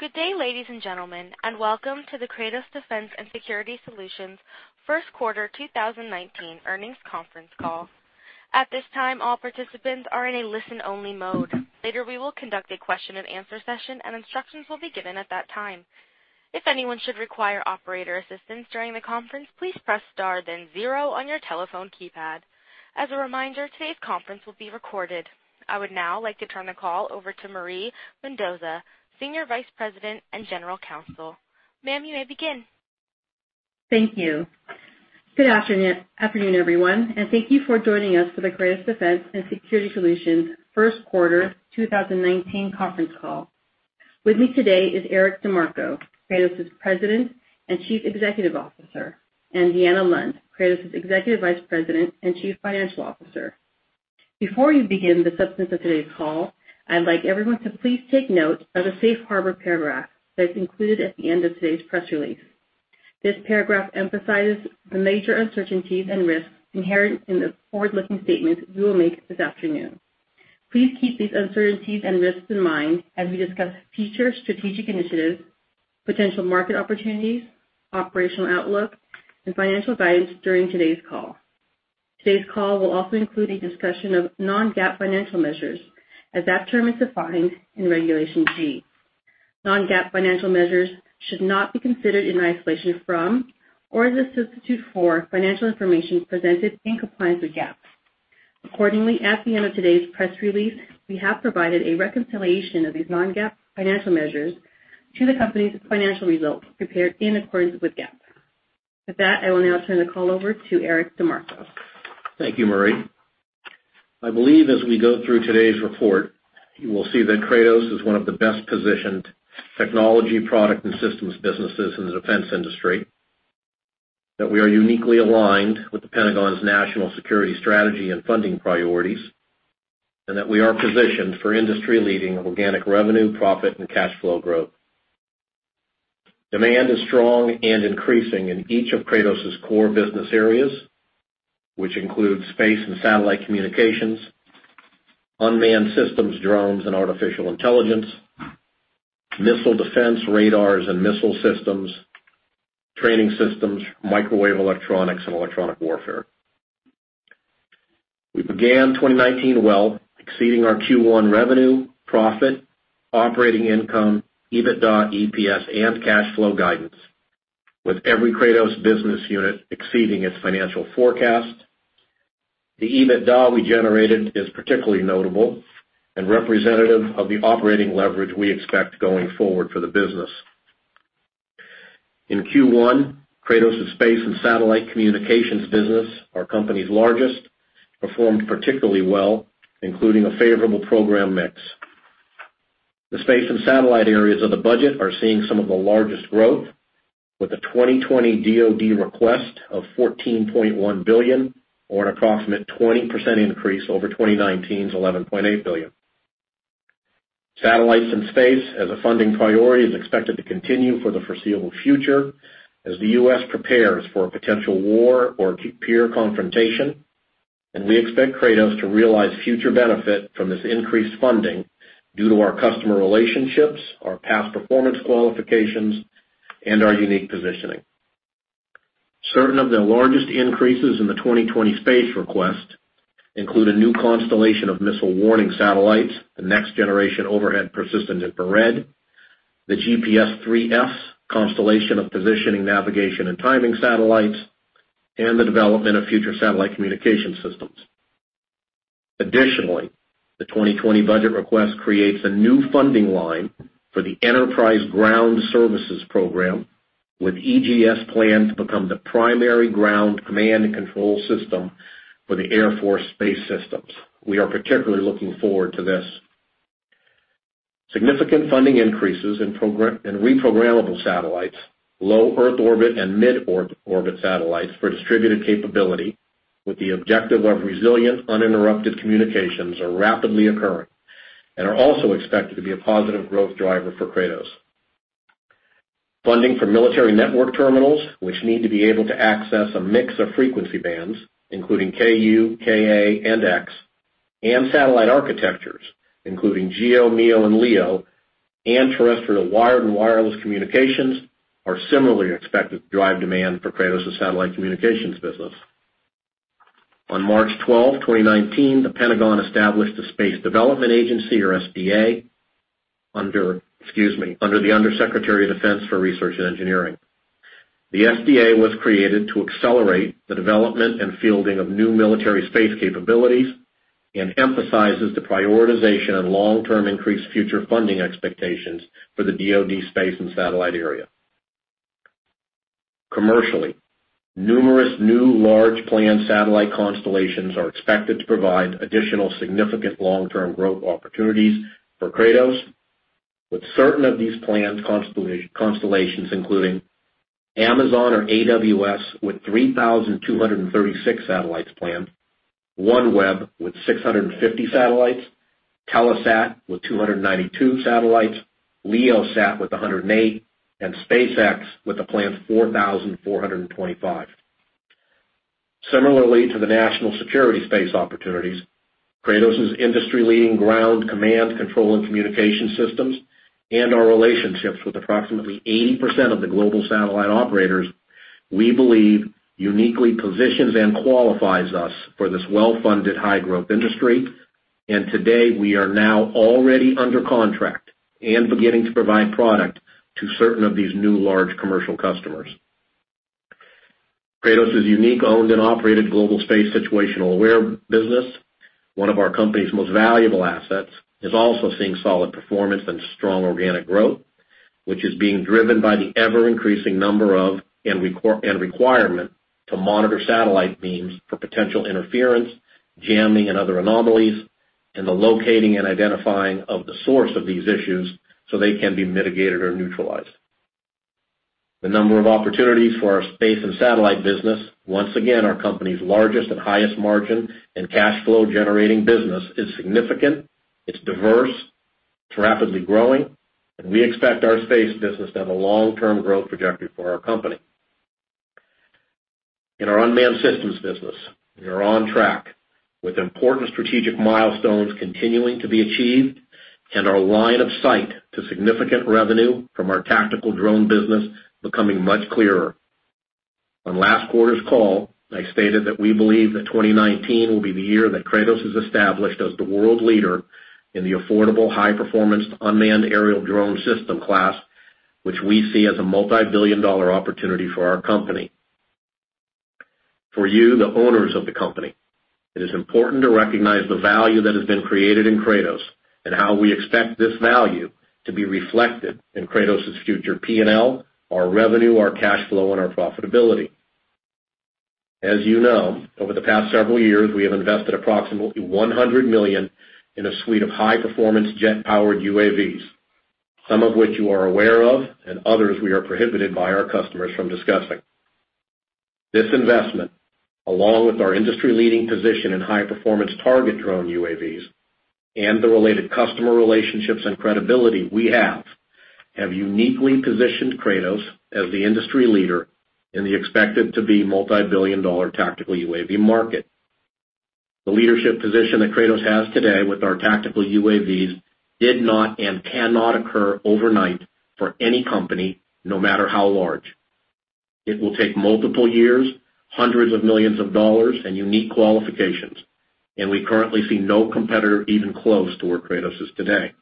Good day, ladies and gentlemen, and welcome to the Kratos Defense & Security Solutions first quarter 2019 earnings conference call. At this time, all participants are in a listen-only mode. Later, we will conduct a question and answer session, and instructions will be given at that time. If anyone should require operator assistance during the conference, please press star then zero on your telephone keypad. As a reminder, today's conference will be recorded. I would now like to turn the call over to Marie Mendoza, Senior Vice President and General Counsel. Ma'am, you may begin. Thank you. Good afternoon, everyone, and thank you for joining us for the Kratos Defense & Security Solutions first quarter 2019 conference call. With me today is Eric DeMarco, Kratos' President and Chief Executive Officer, and Deanna Lund, Kratos' Executive Vice President and Chief Financial Officer. Before we begin the substance of today's call, I'd like everyone to please take note of the safe harbor paragraph that's included at the end of today's press release. This paragraph emphasizes the major uncertainties and risks inherent in the forward-looking statements we will make this afternoon. Please keep these uncertainties and risks in mind as we discuss future strategic initiatives, potential market opportunities, operational outlook, and financial guidance during today's call. Today's call will also include a discussion of non-GAAP financial measures as that term is defined in Regulation G. Non-GAAP financial measures should not be considered in isolation from or as a substitute for financial information presented in compliance with GAAP. Accordingly, at the end of today's press release, we have provided a reconciliation of these non-GAAP financial measures to the company's financial results prepared in accordance with GAAP. With that, I will now turn the call over to Eric DeMarco. Thank you, Marie. I believe as we go through today's report, you will see that Kratos is one of the best-positioned technology product and systems businesses in the defense industry, that we are uniquely aligned with the Pentagon's national security strategy and funding priorities, and that we are positioned for industry-leading organic revenue, profit, and cash flow growth. Demand is strong and increasing in each of Kratos' core business areas, which include space and satellite communications, unmanned systems, drones and artificial intelligence, missile defense radars and missile systems, training systems, microwave electronics, and electronic warfare. We began 2019 well, exceeding our Q1 revenue, profit, operating income, EBITDA, EPS, and cash flow guidance. With every Kratos business unit exceeding its financial forecast. The EBITDA we generated is particularly notable and representative of the operating leverage we expect going forward for the business. In Q1, Kratos' space and satellite communications business, our company's largest, performed particularly well, including a favorable program mix. The space and satellite areas of the budget are seeing some of the largest growth with a 2020 DOD request of $14.1 billion, or an approximate 20% increase over 2019's $11.8 billion. Satellites and space as a funding priority is expected to continue for the foreseeable future as the U.S. prepares for a potential war or peer confrontation, and we expect Kratos to realize future benefit from this increased funding due to our customer relationships, our past performance qualifications, and our unique positioning. Certain of the largest increases in the 2020 space request include a new constellation of missile warning satellites, the next generation Overhead Persistent Infrared, the GPS III constellation of positioning, navigation, and timing satellites, and the development of future satellite communication systems. The 2020 budget request creates a new funding line for the Enterprise Ground Services program, with EGS planned to become the primary ground command and control system for the Air Force Space systems. We are particularly looking forward to this. Significant funding increases in reprogrammable satellites, low Earth orbit, and mid-orbit satellites for distributed capability with the objective of resilient, uninterrupted communications are rapidly occurring and are also expected to be a positive growth driver for Kratos. Funding for military network terminals, which need to be able to access a mix of frequency bands, including Ku, Ka, and X, and satellite architectures, including GEO, MEO, and LEO, and terrestrial wired and wireless communications, are similarly expected to drive demand for Kratos' satellite communications business. On March 12th, 2019, the Pentagon established the Space Development Agency, or SDA, under the Under Secretary of Defense for Research and Engineering. The SDA was created to accelerate the development and fielding of new military space capabilities and emphasizes the prioritization of long-term increased future funding expectations for the DOD space and satellite area. Numerous new large planned satellite constellations are expected to provide additional significant long-term growth opportunities for Kratos with certain of these planned constellations including Amazon or AWS with 3,236 satellites planned, OneWeb with 650 satellites, Telesat with 292 satellites, LeoSat with 108, and SpaceX with a planned 4,425. Similarly to the national security space opportunities, Kratos' industry-leading ground command, control, and communication systems, and our relationships with approximately 80% of the global satellite operators, we believe uniquely positions and qualifies us for this well-funded, high-growth industry. Today, we are now already under contract and beginning to provide product to certain of these new large commercial customers. Kratos' unique owned and operated global space situational aware business, one of our company's most valuable assets, is also seeing solid performance and strong organic growth, which is being driven by the ever-increasing number of and requirement to monitor satellite beams for potential interference, jamming, and other anomalies, and the locating and identifying of the source of these issues so they can be mitigated or neutralized. The number of opportunities for our space and satellite business, once again, our company's largest and highest margin and cash flow generating business, is significant, it's diverse, it's rapidly growing, and we expect our space business to have a long-term growth trajectory for our company. In our unmanned systems business, we are on track with important strategic milestones continuing to be achieved and our line of sight to significant revenue from our tactical drone business becoming much clearer. On last quarter's call, I stated that we believe that 2019 will be the year that Kratos is established as the world leader in the affordable, high-performance unmanned aerial drone system class, which we see as a multibillion-dollar opportunity for our company. For you, the owners of the company, it is important to recognize the value that has been created in Kratos and how we expect this value to be reflected in Kratos' future P&L, our revenue, our cash flow, and our profitability. As you know, over the past several years, we have invested approximately $100 million in a suite of high-performance jet-powered UAVs, some of which you are aware of and others we are prohibited by our customers from discussing. This investment, along with our industry-leading position in high-performance target drone UAVs and the related customer relationships and credibility we have uniquely positioned Kratos as the industry leader in the expected to be multibillion-dollar tactical UAV market. The leadership position that Kratos has today with our tactical UAVs did not and cannot occur overnight for any company, no matter how large. It will take multiple years, hundreds of millions of dollars, and unique qualifications. We currently see no competitor even close to where Kratos is today.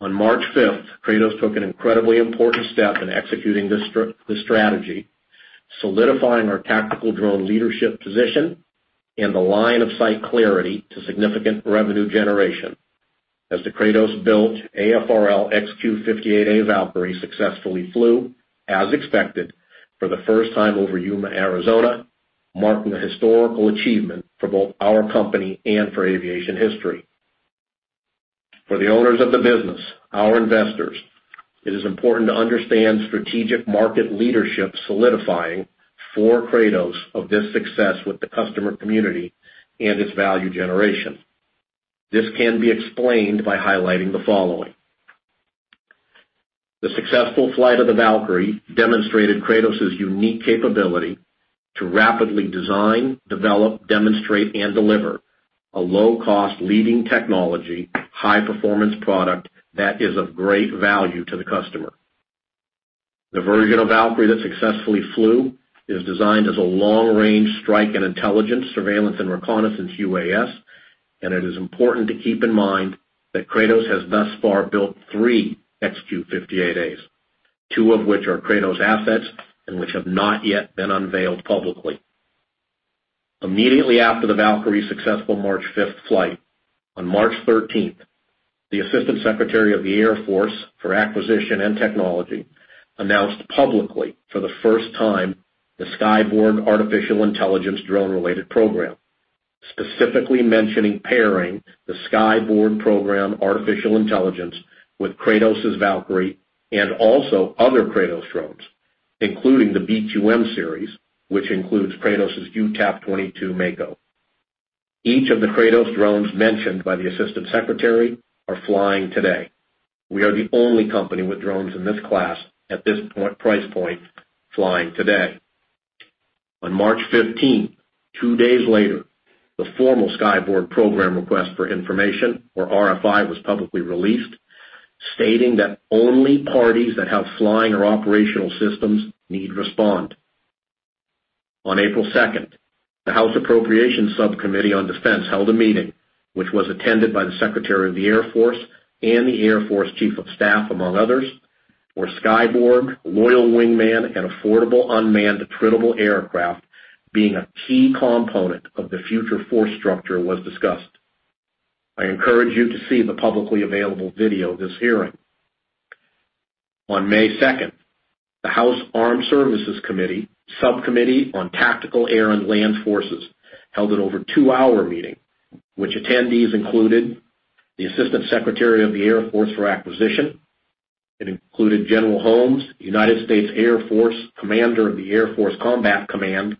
On March 5th, Kratos took an incredibly important step in executing this strategy, solidifying our tactical drone leadership position and the line of sight clarity to significant revenue generation as the Kratos-built AFRL XQ-58A Valkyrie successfully flew, as expected, for the first time over Yuma, Arizona, marking a historical achievement for both our company and for aviation history. For the owners of the business, our investors, it is important to understand strategic market leadership solidifying for Kratos of this success with the customer community and its value generation. This can be explained by highlighting the following. The successful flight of the Valkyrie demonstrated Kratos' unique capability to rapidly design, develop, demonstrate, and deliver a low-cost leading technology, high-performance product that is of great value to the customer. The version of Valkyrie that successfully flew is designed as a long-range strike in intelligence, surveillance, and reconnaissance UAS, and it is important to keep in mind that Kratos has thus far built three XQ-58As, two of which are Kratos assets and which have not yet been unveiled publicly. Immediately after the Valkyrie's successful March 5th flight, on March 13th, the Assistant Secretary of the Air Force for Acquisition and Technology announced publicly for the first time the Skyborg artificial intelligence drone-related program, specifically mentioning pairing the Skyborg program artificial intelligence with Kratos' Valkyrie and also other Kratos drones, including the BQM series, which includes Kratos' UTAP-22 Mako. Each of the Kratos drones mentioned by the Assistant Secretary are flying today. We are the only company with drones in this class at this price point flying today. On March 15th, two days later, the formal Skyborg program request for information or RFI was publicly released, stating that only parties that have flying or operational systems need respond. On April 2nd, the House Appropriations Subcommittee on Defense held a meeting which was attended by the Secretary of the Air Force and the Air Force Chief of Staff, among others, where Skyborg, Loyal Wingman, and affordable unmanned disposable aircraft being a key component of the future force structure was discussed. I encourage you to see the publicly available video of this hearing. On May 2nd, the House Armed Services Committee, Subcommittee on Tactical Air and Land Forces, held an over two-hour meeting, which attendees included the Assistant Secretary of the Air Force for Acquisition. It included General Holmes, United States Air Force Commander of the Air Combat Command,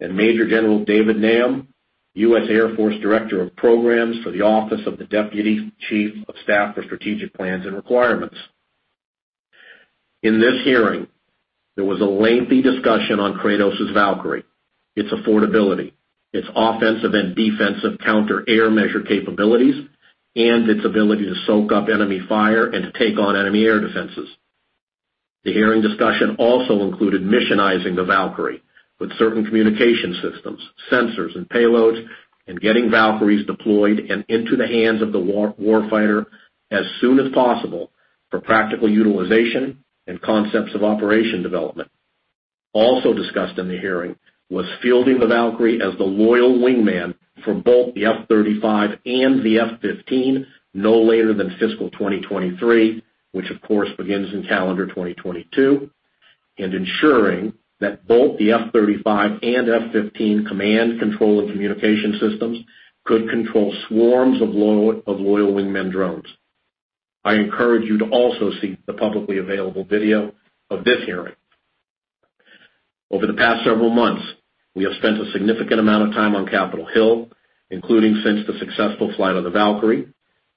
and Major General David Nahom, U.S. Air Force Director of Programs for the Office of the Deputy Chief of Staff for Plans and Programs. In this hearing, there was a lengthy discussion on Kratos' Valkyrie, its affordability, its offensive and defensive counter-air measure capabilities, and its ability to soak up enemy fire and to take on enemy air defenses. The hearing discussion also included missionizing the Valkyrie with certain communication systems, sensors, and payloads, and getting Valkyries deployed and into the hands of the warfighter as soon as possible for practical utilization and concepts of operation development. Also discussed in the hearing was fielding the Valkyrie as the Loyal Wingman for both the F-35 and the F-15 no later than fiscal 2023, which, of course, begins in calendar 2022, and ensuring that both the F-35 and F-15 command, control, and communication systems could control swarms of Loyal Wingman drones. I encourage you to also see the publicly available video of this hearing. Over the past several months, we have spent a significant amount of time on Capitol Hill, including since the successful flight of the Valkyrie,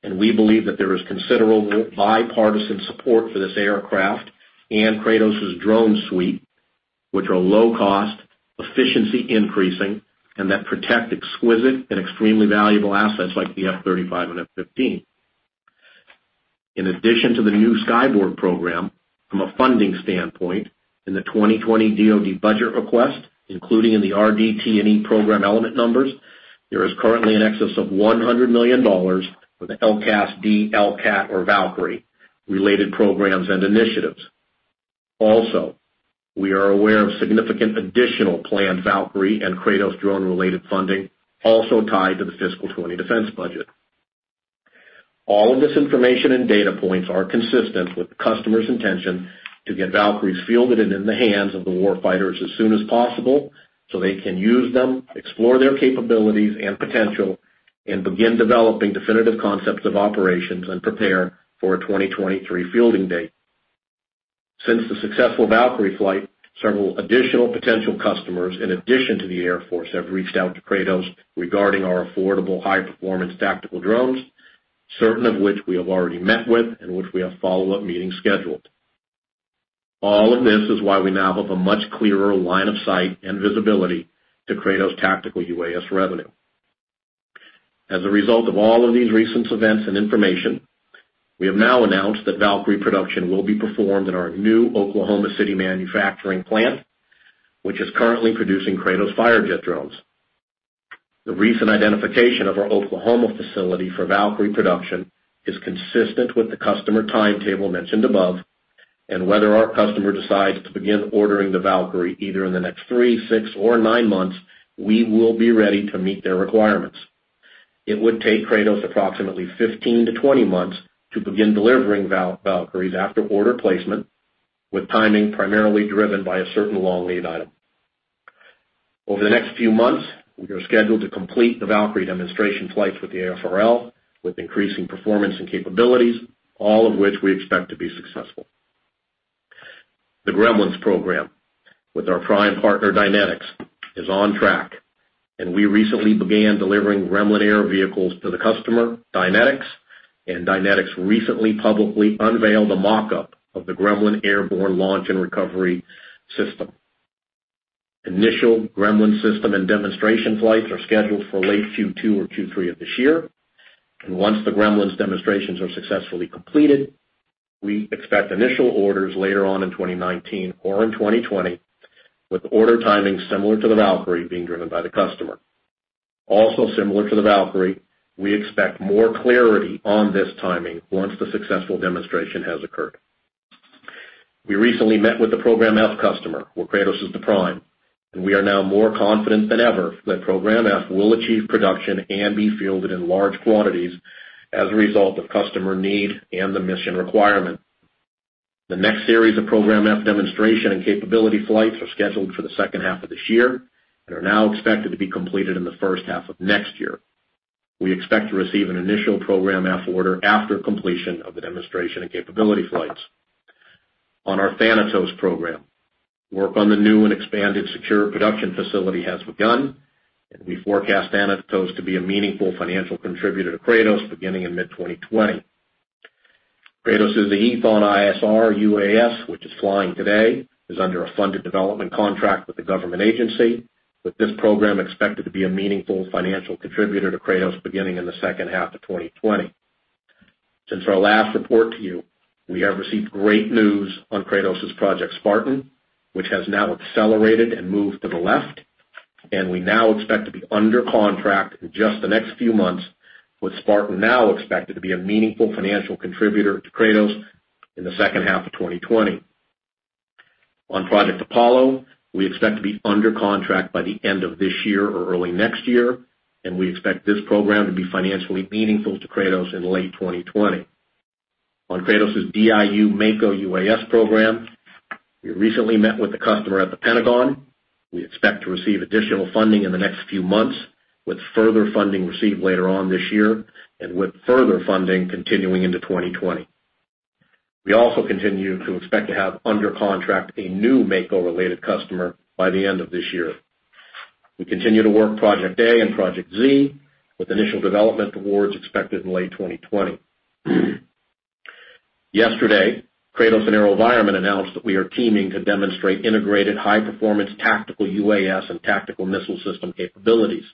and we believe that there is considerable bipartisan support for this aircraft and Kratos' drone suite, which are low-cost, efficiency-increasing, and that protect exquisite and extremely valuable assets like the F-35 and F-15. In addition to the new Skyborg program, from a funding standpoint, in the 2020 DOD budget request, including in the RDT&E program element numbers, there is currently in excess of $100 million for the LCAS-D, LCAT, or Valkyrie-related programs and initiatives. Also, we are aware of significant additional planned Valkyrie and Kratos drone-related funding also tied to the fiscal 2020 defense budget. All of this information and data points are consistent with the customer's intention to get Valkyries fielded and in the hands of the warfighters as soon as possible so they can use them, explore their capabilities and potential, and begin developing definitive concepts of operations and prepare for a 2023 fielding date. Since the successful Valkyrie flight, several additional potential customers in addition to the Air Force have reached out to Kratos regarding our affordable high-performance tactical drones, certain of which we have already met with and which we have follow-up meetings scheduled. All of this is why we now have a much clearer line of sight and visibility to Kratos' tactical UAS revenue. As a result of all of these recent events and information, we have now announced that Valkyrie production will be performed in our new Oklahoma City manufacturing plant, which is currently producing Kratos Firejet drones. The recent identification of our Oklahoma facility for Valkyrie production is consistent with the customer timetable mentioned above, and whether our customer decides to begin ordering the Valkyrie either in the next three, six, or nine months, we will be ready to meet their requirements. It would take Kratos approximately 15 to 20 months to begin delivering Valkyries after order placement, with timing primarily driven by a certain long-lead item. Over the next few months, we are scheduled to complete the Valkyrie demonstration flights with the AFRL, with increasing performance and capabilities, all of which we expect to be successful. The Gremlins program with our prime partner, Dynetics, is on track, and we recently began delivering Gremlin air vehicles to the customer, Dynetics, and Dynetics recently publicly unveiled a mock-up of the Gremlin airborne launch and recovery system. Initial Gremlin system and demonstration flights are scheduled for late Q2 or Q3 of this year. Once the Gremlins demonstrations are successfully completed, we expect initial orders later on in 2019 or in 2020, with order timing similar to the Valkyrie being driven by the customer. Also similar to the Valkyrie, we expect more clarity on this timing once the successful demonstration has occurred. We recently met with the Program F customer, where Kratos is the prime, and we are now more confident than ever that Program F will achieve production and be fielded in large quantities as a result of customer need and the mission requirement. The next series of Program F demonstration and capability flights are scheduled for the second half of this year and are now expected to be completed in the first half of next year. We expect to receive an initial Program F order after completion of the demonstration and capability flights. On our Thanatos program, work on the new and expanded secure production facility has begun, and we forecast Thanatos to be a meaningful financial contributor to Kratos beginning in mid-2020. Kratos' Aethon ISR UAS, which is flying today, is under a funded development contract with the government agency, with this program expected to be a meaningful financial contributor to Kratos beginning in the second half of 2020. Since our last report to you, we have received great news on Kratos' Project Spartan, which has now accelerated and moved to the left, and we now expect to be under contract in just the next few months, with Spartan now expected to be a meaningful financial contributor to Kratos in the second half of 2020. On Project Apollo, we expect to be under contract by the end of this year or early next year, and we expect this program to be financially meaningful to Kratos in late 2020. On Kratos' DIU Mako UAS program, we recently met with the customer at the Pentagon. We expect to receive additional funding in the next few months, with further funding received later on this year, and with further funding continuing into 2020. We also continue to expect to have under contract a new Mako-related customer by the end of this year. We continue to work Project A and Project Z with initial development awards expected in late 2020. Yesterday, Kratos and AeroVironment announced that we are teaming to demonstrate integrated high-performance tactical UAS and tactical missile system capabilities.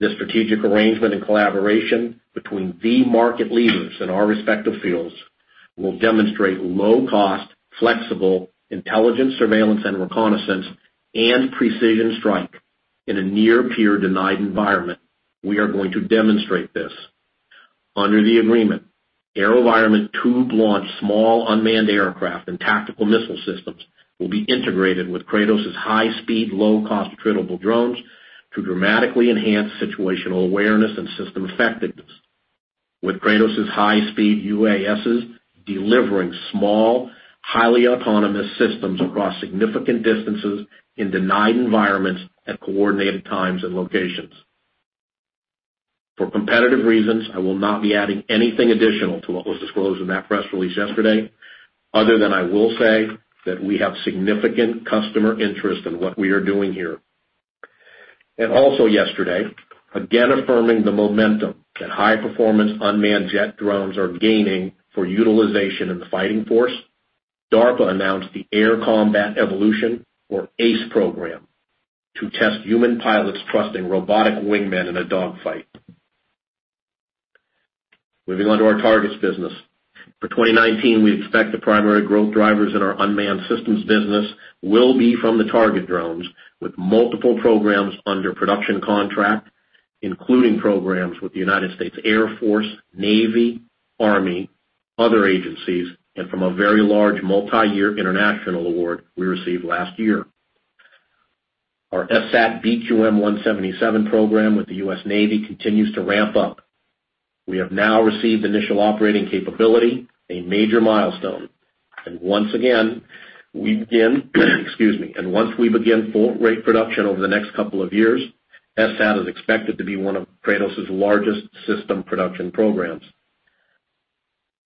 This strategic arrangement and collaboration between the market leaders in our respective fields will demonstrate low cost, flexible intelligence surveillance and reconnaissance, and precision strike in a near peer denied environment. We are going to demonstrate this. Under the agreement, AeroVironment tube launch small unmanned aircraft and tactical missile systems will be integrated with Kratos' high-speed, low-cost attritable drones to dramatically enhance situational awareness and system effectiveness. With Kratos' high-speed UASs delivering small, highly autonomous systems across significant distances in denied environments at coordinated times and locations. For competitive reasons, I will not be adding anything additional to what was disclosed in that press release yesterday, other than I will say that we have significant customer interest in what we are doing here. Also yesterday, again affirming the momentum that high-performance unmanned jet drones are gaining for utilization in the fighting force, DARPA announced the Air Combat Evolution, or ACE program, to test human pilots trusting robotic wingmen in a dogfight. Moving on to our targets business. For 2019, we expect the primary growth drivers in our unmanned systems business will be from the target drones with multiple programs under production contract, including programs with the United States Air Force, Navy, Army, other agencies, and from a very large multi-year international award we received last year. Our FSAT BQM-177 program with the U.S. Navy continues to ramp up. We have now received initial operating capability, a major milestone. Once we begin full-rate production over the next couple of years, FSAT is expected to be one of Kratos' largest system production programs.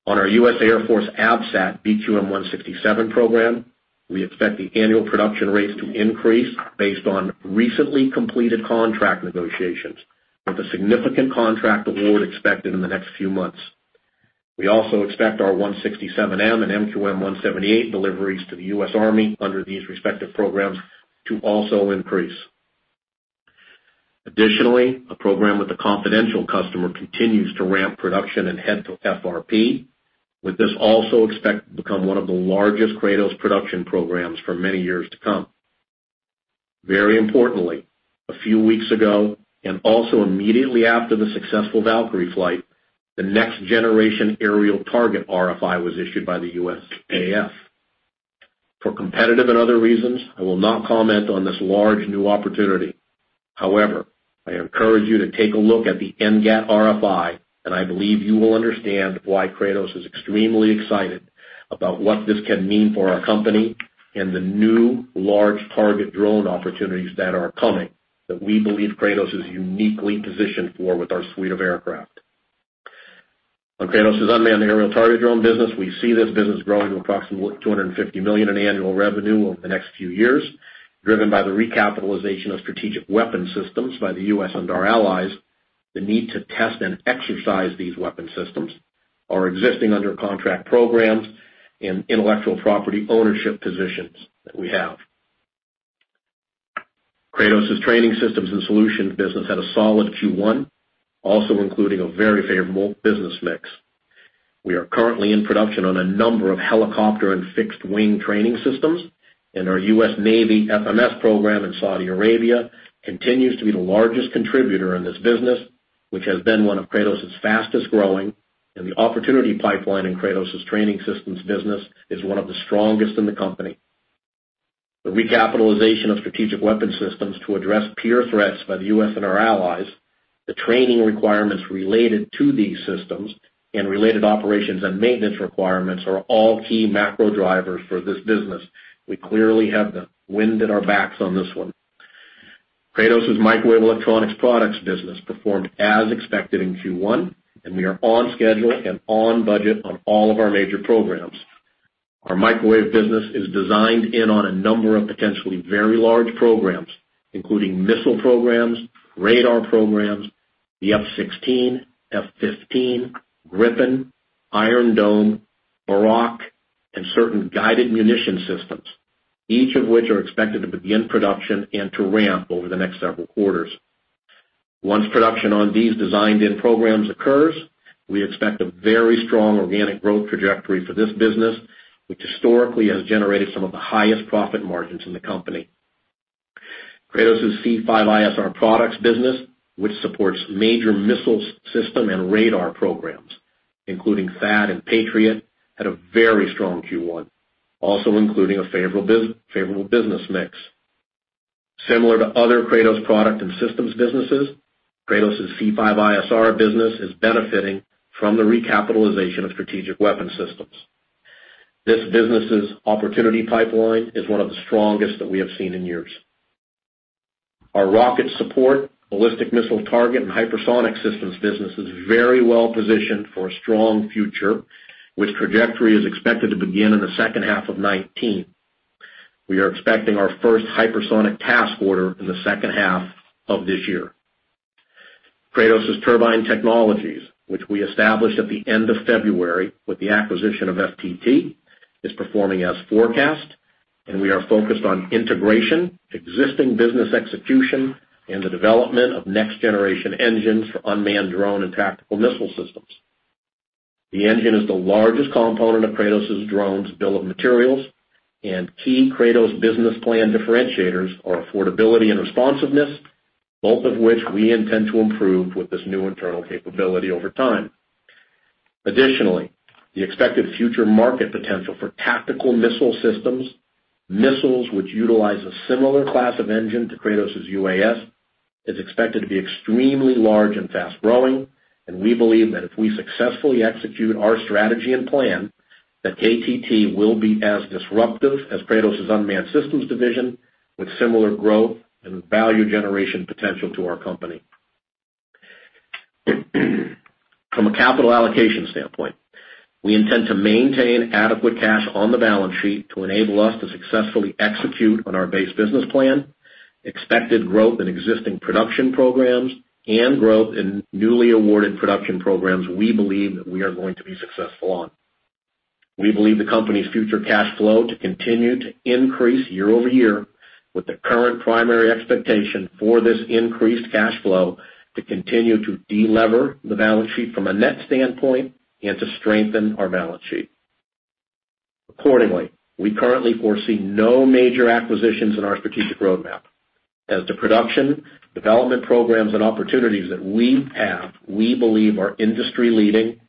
On our U.S. Air Force AFSAT BQM-167 program, we expect the annual production rates to increase based on recently completed contract negotiations, with a significant contract award expected in the next few months. We also expect our 167M and MQM-178 deliveries to the U.S. Army under these respective programs to also increase. Additionally, a program with a confidential customer continues to ramp production and head to FRP, with this also expected to become one of the largest Kratos production programs for many years to come. Very importantly, a few weeks ago and also immediately after the successful Valkyrie flight, the Next Generation Aerial Target RFI was issued by the USAF. For competitive and other reasons, I will not comment on this large new opportunity. However, I encourage you to take a look at the NGAT RFI, and I believe you will understand why Kratos is extremely excited about what this can mean for our company and the new large target drone opportunities that are coming, that we believe Kratos is uniquely positioned for with our suite of aircraft. On Kratos' unmanned aerial target drone business, we see this business growing to approximately $250 million in annual revenue over the next few years, driven by the recapitalization of strategic weapon systems by the U.S. and our allies, the need to test and exercise these weapon systems, our existing under contract programs, and intellectual property ownership positions that we have. Kratos' training systems and solutions business had a solid Q1, also including a very favorable business mix. We are currently in production on a number of helicopter and fixed wing training systems, and our U.S. Navy FMS program in Saudi Arabia continues to be the largest contributor in this business, which has been one of Kratos' fastest-growing, and the opportunity pipeline in Kratos' training systems business is one of the strongest in the company. The recapitalization of strategic weapon systems to address peer threats by the U.S. and our allies, the training requirements related to these systems, and related operations and maintenance requirements are all key macro drivers for this business. We clearly have the wind at our backs on this one. Kratos' microwave electronics products business performed as expected in Q1. We are on schedule and on budget on all of our major programs. Our microwave business is designed in on a number of potentially very large programs, including missile programs, radar programs, the F-16, F-15, Gripen, Iron Dome, Barak, and certain guided munition systems, each of which are expected to begin production and to ramp over the next several quarters. Once production on these designed-in programs occurs, we expect a very strong organic growth trajectory for this business, which historically has generated some of the highest profit margins in the company. Kratos' C5ISR products business, which supports major missile system and radar programs, including THAAD and Patriot, had a very strong Q1, also including a favorable business mix. Similar to other Kratos product and systems businesses, Kratos' C5ISR business is benefiting from the recapitalization of strategic weapon systems. This business's opportunity pipeline is one of the strongest that we have seen in years. Our rocket support, ballistic missile target, and hypersonic systems business is very well positioned for a strong future, which trajectory is expected to begin in the second half of 2019. We are expecting our first hypersonic task order in the second half of this year. Kratos Turbine Technologies, which we established at the end of February with the acquisition of FTT, is performing as forecast. We are focused on integration, existing business execution, and the development of next-generation engines for unmanned drone and tactical missile systems. The engine is the largest component of Kratos' drones bill of materials and key Kratos business plan differentiators are affordability and responsiveness, both of which we intend to improve with this new internal capability over time. Additionally, the expected future market potential for tactical missile systems, missiles which utilize a similar class of engine to Kratos' UAS, is expected to be extremely large and fast-growing. We believe that if we successfully execute our strategy and plan, that KTT will be as disruptive as Kratos' unmanned systems division with similar growth and value generation potential to our company. From a capital allocation standpoint, we intend to maintain adequate cash on the balance sheet to enable us to successfully execute on our base business plan, expected growth in existing production programs, and growth in newly awarded production programs we believe that we are going to be successful on. We believe the company's future cash flow to continue to increase year-over-year with the current primary expectation for this increased cash flow to continue to delever the balance sheet from a net standpoint and to strengthen our balance sheet. Accordingly, we currently foresee no major acquisitions in our strategic roadmap. As the production, development programs and opportunities that we have, we believe are industry-leading,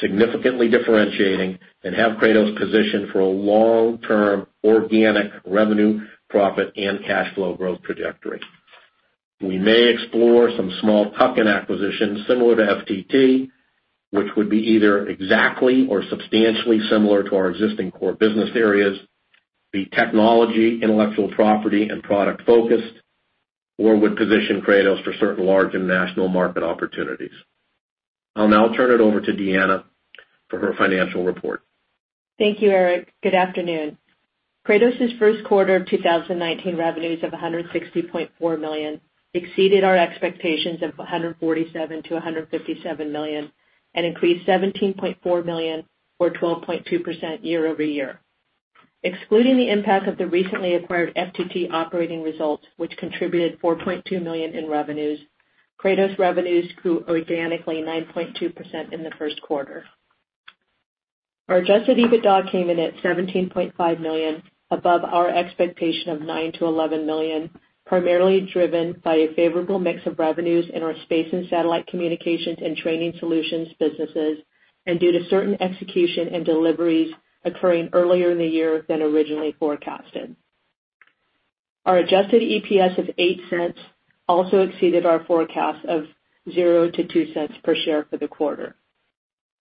significantly differentiating, and have Kratos positioned for a long-term organic revenue, profit and cash flow growth trajectory. We may explore some small tuck-in acquisitions similar to FTT, which would be either exactly or substantially similar to our existing core business areas, be technology, intellectual property and product focused, or would position Kratos for certain large international market opportunities. I'll now turn it over to Deanna for her financial report. Thank you, Eric. Good afternoon. Kratos' first quarter of 2019 revenues of $160.4 million exceeded our expectations of $147 million to $157 million and increased $17.4 million or 12.2% year-over-year. Excluding the impact of the recently acquired FTT operating results, which contributed $4.2 million in revenues, Kratos revenues grew organically 9.2% in the first quarter. Our adjusted EBITDA came in at $17.5 million above our expectation of $9 million to $11 million, primarily driven by a favorable mix of revenues in our space and satellite communications and training solutions businesses, and due to certain execution and deliveries occurring earlier in the year than originally forecasted. Our adjusted EPS of $0.08 also exceeded our forecast of zero to $0.02 per share for the quarter.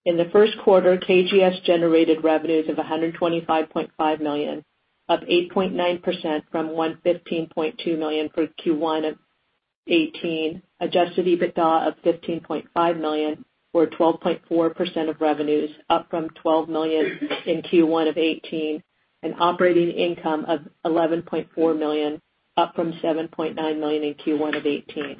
In the first quarter, KGS generated revenues of $125.5 million, up 8.9% from $115.2 million for Q1 of 2018, adjusted EBITDA of $15.5 million or 12.4% of revenues, up from $12 million in Q1 of 2018, and operating income of $11.4 million, up from $7.9 million in Q1 of 2018.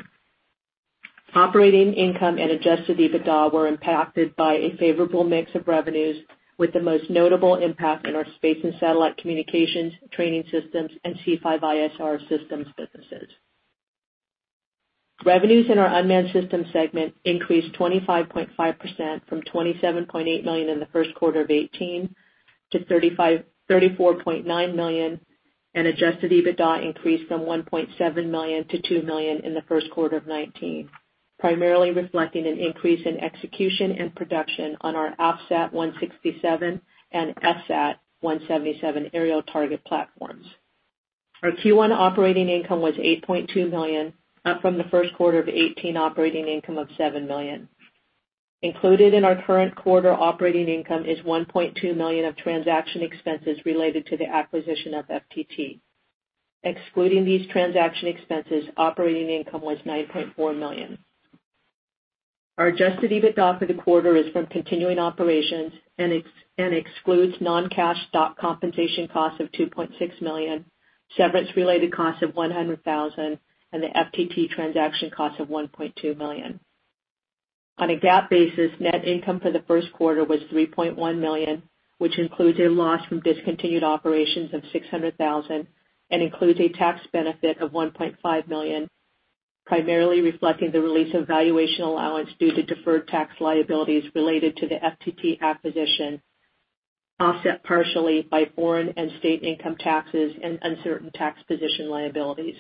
Operating income and adjusted EBITDA were impacted by a favorable mix of revenues, with the most notable impact in our space and satellite communications, training systems, and C5ISR systems businesses. Revenues in our unmanned system segment increased 25.5% from $27.8 million in the first quarter of 2018 to $34.9 million, and adjusted EBITDA increased from $1.7 million to $2 million in the first quarter of 2019, primarily reflecting an increase in execution and production on our AFSAT 167 and FSAT 177 aerial target platforms. Our Q1 operating income was $8.2 million, up from the first quarter of 2018 operating income of $7 million. Included in our current quarter operating income is $1.2 million of transaction expenses related to the acquisition of FTT. Excluding these transaction expenses, operating income was $9.4 million. Our adjusted EBITDA for the quarter is from continuing operations and excludes non-cash stock compensation costs of $2.6 million, severance-related costs of $100,000, and the FTT transaction cost of $1.2 million. On a GAAP basis, net income for the first quarter was $3.1 million, which includes a loss from discontinued operations of $600,000 and includes a tax benefit of $1.5 million, primarily reflecting the release of valuation allowance due to deferred tax liabilities related to the FTT acquisition, offset partially by foreign and state income taxes and uncertain tax position liabilities.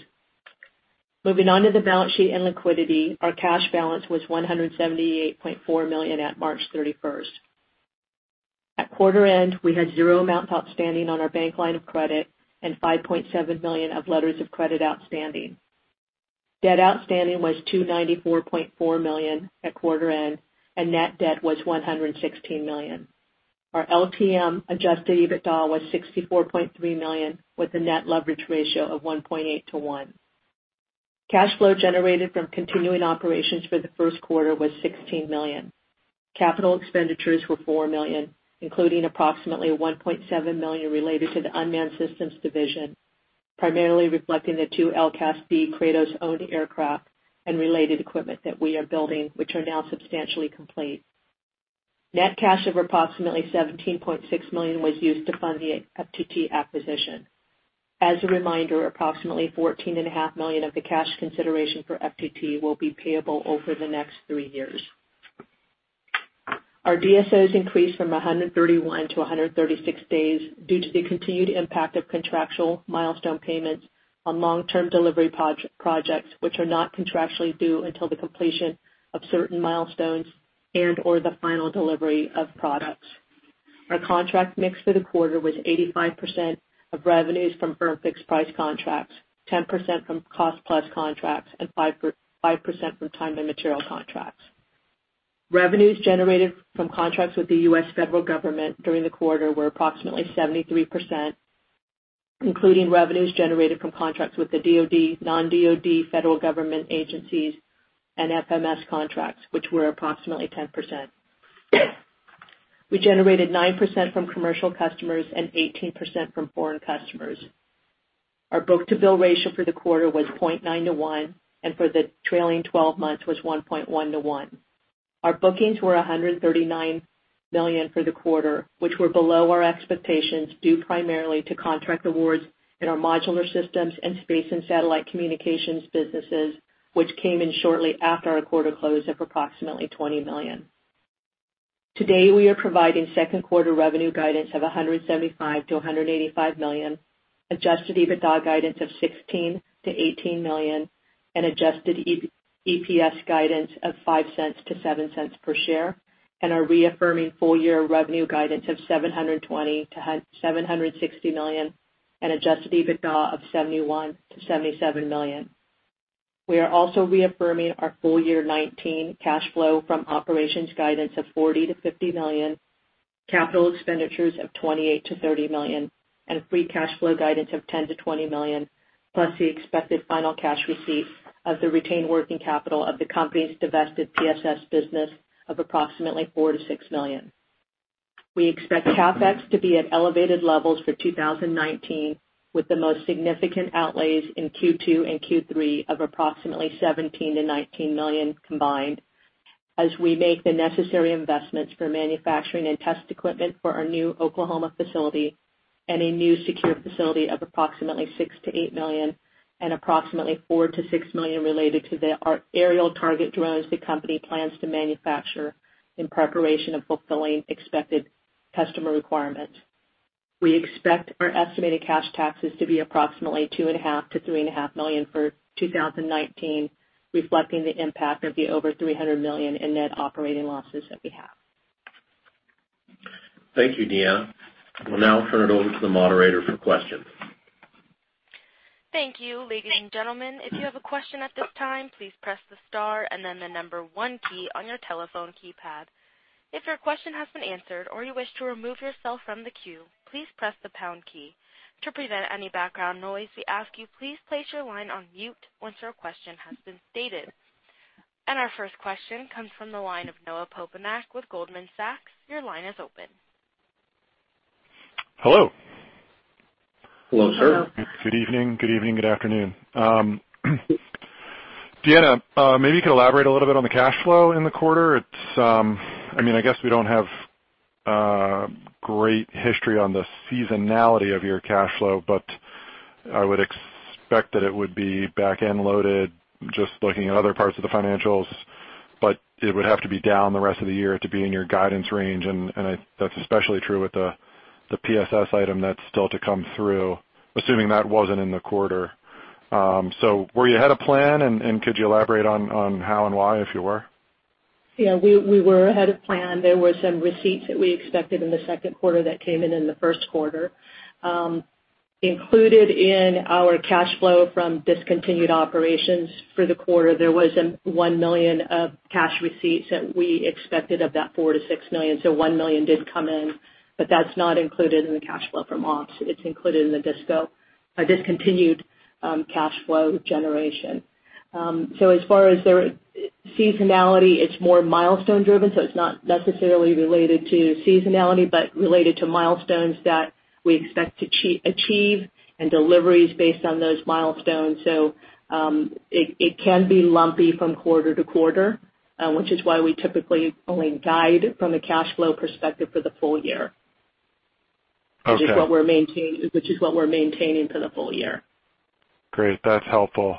Moving on to the balance sheet and liquidity. Our cash balance was $178.4 million at March 31st. At quarter end, we had zero amounts outstanding on our bank line of credit and $5.7 million of letters of credit outstanding. Debt outstanding was $294.4 million at quarter end, and net debt was $116 million. Our LTM adjusted EBITDA was $64.3 million with a net leverage ratio of 1.8 to 1. Cash flow generated from continuing operations for the first quarter was $16 million. Capital expenditures were $4 million, including approximately $1.7 million related to the unmanned systems division, primarily reflecting the two LCAS-D Kratos-owned aircraft and related equipment that we are building, which are now substantially complete. Net cash of approximately $17.6 million was used to fund the FTT acquisition. As a reminder, approximately $14.5 million of the cash consideration for FTT will be payable over the next three years. Our DSOs increased from 131 to 136 days due to the continued impact of contractual milestone payments on long-term delivery projects, which are not contractually due until the completion of certain milestones and/or the final delivery of products. Our contract mix for the quarter was 85% of revenues from firm fixed price contracts, 10% from cost plus contracts, and 5% from time and material contracts. Revenues generated from contracts with the U.S. federal government during the quarter were approximately 73%, including revenues generated from contracts with the DoD, non-DoD federal government agencies, and FMS contracts, which were approximately 10%. We generated 9% from commercial customers and 18% from foreign customers. Our book-to-bill ratio for the quarter was 0.9 to one, and for the trailing 12 months was 1.1 to one. Our bookings were $139 million for the quarter, which were below our expectations, due primarily to contract awards in our modular systems and space and satellite communications businesses, which came in shortly after our quarter close of approximately $20 million. Today, we are providing second quarter revenue guidance of $175 million-$185 million, adjusted EBITDA guidance of $16 million-$18 million, and adjusted EPS guidance of $0.05-$0.07 per share, and are reaffirming full year revenue guidance of $720 million-$760 million, and adjusted EBITDA of $71 million-$77 million. We are also reaffirming our full year 2019 cash flow from operations guidance of $40 million-$50 million, capital expenditures of $28 million-$30 million, and free cash flow guidance of $10 million-$20 million, plus the expected final cash receipt of the retained working capital of the company's divested PSS business of approximately $4 million-$6 million. We expect CapEx to be at elevated levels for 2019, with the most significant outlays in Q2 and Q3 of approximately $17 million-$19 million combined as we make the necessary investments for manufacturing and test equipment for our new Oklahoma facility and a new secure facility of approximately $6 million-$8 million and approximately $4 million-$6 million related to the aerial target drones the company plans to manufacture in preparation of fulfilling expected customer requirements. We expect our estimated cash taxes to be approximately $2.5 million to $3.5 million for 2019, reflecting the impact of the over $300 million in net operating losses that we have. Thank you, Deanna. We'll now turn it over to the moderator for questions. Thank you. Ladies and gentlemen, if you have a question at this time, please press the star and then the number one key on your telephone keypad. If your question has been answered or you wish to remove yourself from the queue, please press the pound key. To prevent any background noise, we ask you please place your line on mute once your question has been stated. Our first question comes from the line of Noah Poponak with Goldman Sachs. Your line is open. Hello. Hello, sir. Hello. Good evening, good evening, good afternoon. Deanna, maybe you could elaborate a little bit on the cash flow in the quarter. I guess we don't have great history on the seasonality of your cash flow, but I would expect that it would be back-end loaded, just looking at other parts of the financials. It would have to be down the rest of the year to be in your guidance range, and that's especially true with the PSS item that's still to come through, assuming that wasn't in the quarter. Were you ahead of plan, and could you elaborate on how and why, if you were? Yeah, we were ahead of plan. There were some receipts that we expected in the second quarter that came in in the first quarter. Included in our cash flow from discontinued operations for the quarter, there was a $1 million of cash receipts that we expected of that $4 million-$6 million. $1 million did come in, but that's not included in the cash flow from ops. It's included in the discontinued cash flow generation. As far as their seasonality, it's more milestone driven, so it's not necessarily related to seasonality but related to milestones that we expect to achieve and deliveries based on those milestones. It can be lumpy from quarter to quarter, which is why we typically only guide from a cash flow perspective for the full year. Okay. Which is what we're maintaining for the full year. Great. That's helpful.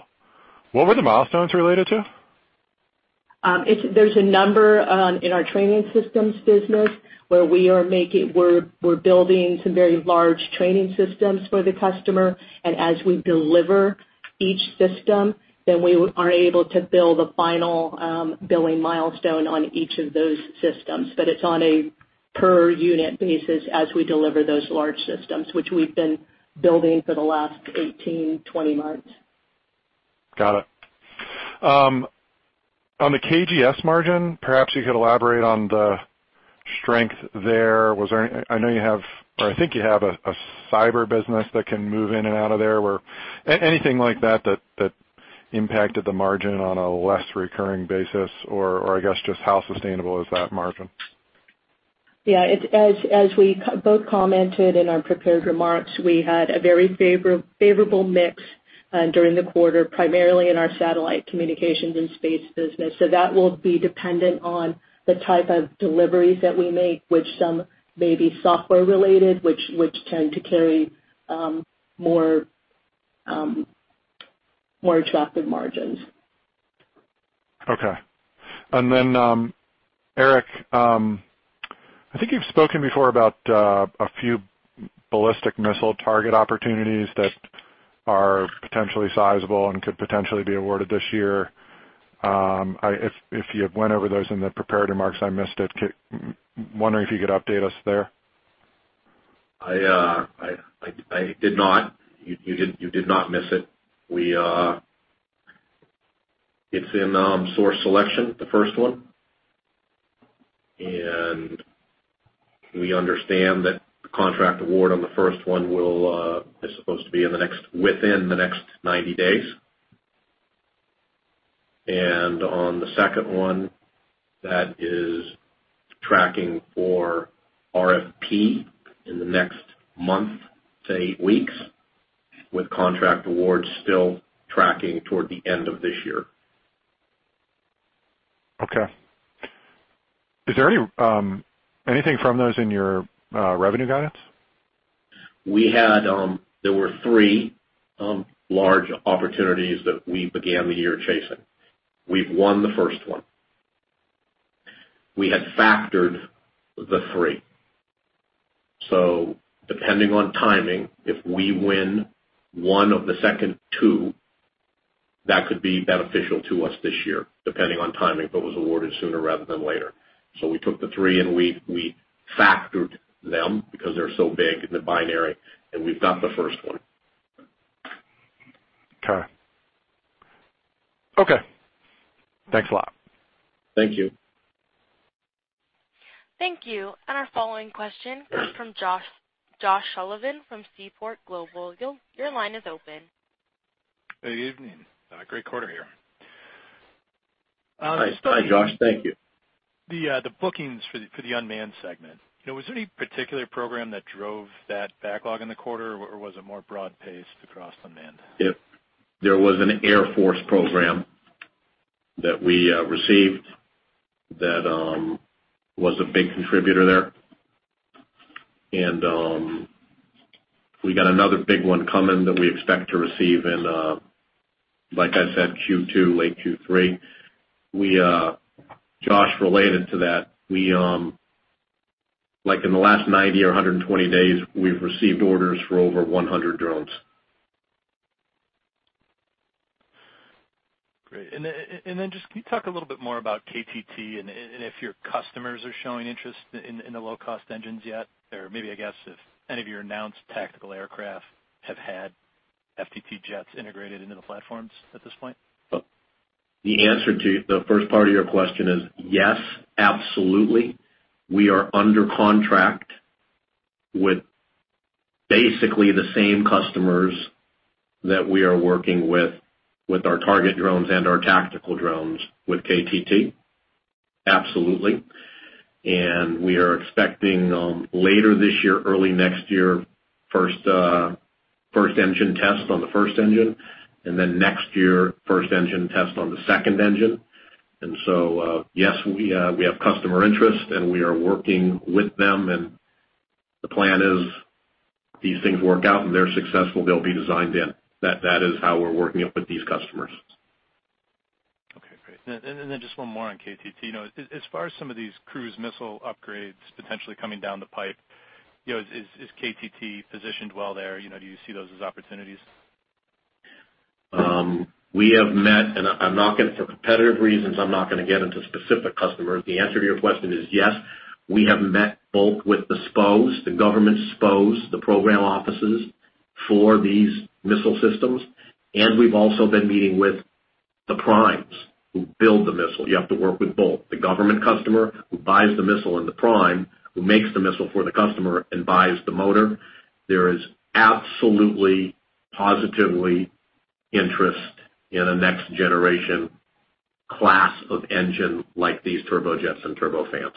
What were the milestones related to? There's a number in our training systems business where we're building some very large training systems for the customer. As we deliver each system, we are able to bill the final billing milestone on each of those systems. It's on a per unit basis as we deliver those large systems, which we've been building for the last 18, 20 months. Got it. On the KGS margin, perhaps you could elaborate on the strength there. I think you have a cyber business that can move in and out of there. Anything like that impacted the margin on a less recurring basis, just how sustainable is that margin? Yeah. As we both commented in our prepared remarks, we had a very favorable mix during the quarter, primarily in our satellite communications and space business. That will be dependent on the type of deliveries that we make, which some may be software related, which tend to carry more attractive margins. Okay. Eric, I think you've spoken before about a few ballistic missile target opportunities that are potentially sizable and could potentially be awarded this year. If you went over those in the prepared remarks, I missed it. Wondering if you could update us there. I did not. You did not miss it. It's in source selection, the first one. We understand that the contract award on the first one is supposed to be within the next 90 days. On the second one, that is tracking for RFP in the next month to eight weeks, with contract awards still tracking toward the end of this year. Okay. Is there anything from those in your revenue guidance? There were three large opportunities that we began the year chasing. We've won the first one. We had factored the three. Depending on timing, if we win one of the second two, that could be beneficial to us this year, depending on timing. If it was awarded sooner rather than later. We took the three, and we factored them because they're so big in the binary, and we've got the first one. Okay. Thanks a lot. Thank you. Thank you. Our following question comes from Josh Sullivan from Seaport Global. Your line is open. Good evening. Great quarter here. Hi, Josh. Thank you. The bookings for the unmanned segment. Was there any particular program that drove that backlog in the quarter, or was it more broad-based across unmanned? There was an Air Force program that we received that was a big contributor there. We got another big one coming that we expect to receive in, like I said, Q2, late Q3. Josh, related to that, in the last 90 or 120 days, we've received orders for over 100 drones. Great. Just can you talk a little bit more about KTT and if your customers are showing interest in the low-cost engines yet? Or maybe if any of your announced tactical aircraft have had FTT jets integrated into the platforms at this point? The answer to the first part of your question is yes, absolutely. We are under contract with basically the same customers that we are working with our target drones and our tactical drones with KTT. Absolutely. We are expecting later this year, early next year, first engine test on the first engine, next year, first engine test on the second engine. So, yes, we have customer interest, and we are working with them, and the plan is if these things work out and they're successful, they'll be designed in. That is how we're working with these customers. Okay, great. Then just one more on KTT. As far as some of these cruise missile upgrades potentially coming down the pipe, is KTT positioned well there? Do you see those as opportunities? We have met, for competitive reasons, I'm not going to get into specific customers. The answer to your question is yes. We have met both with the SPOs, the government SPOs, the program offices for these missile systems, we've also been meeting with the primes who build the missile. You have to work with both the government customer who buys the missile and the prime, who makes the missile for the customer and buys the motor. There is absolutely, positively interest in a next generation class of engine like these turbojets and turbofans.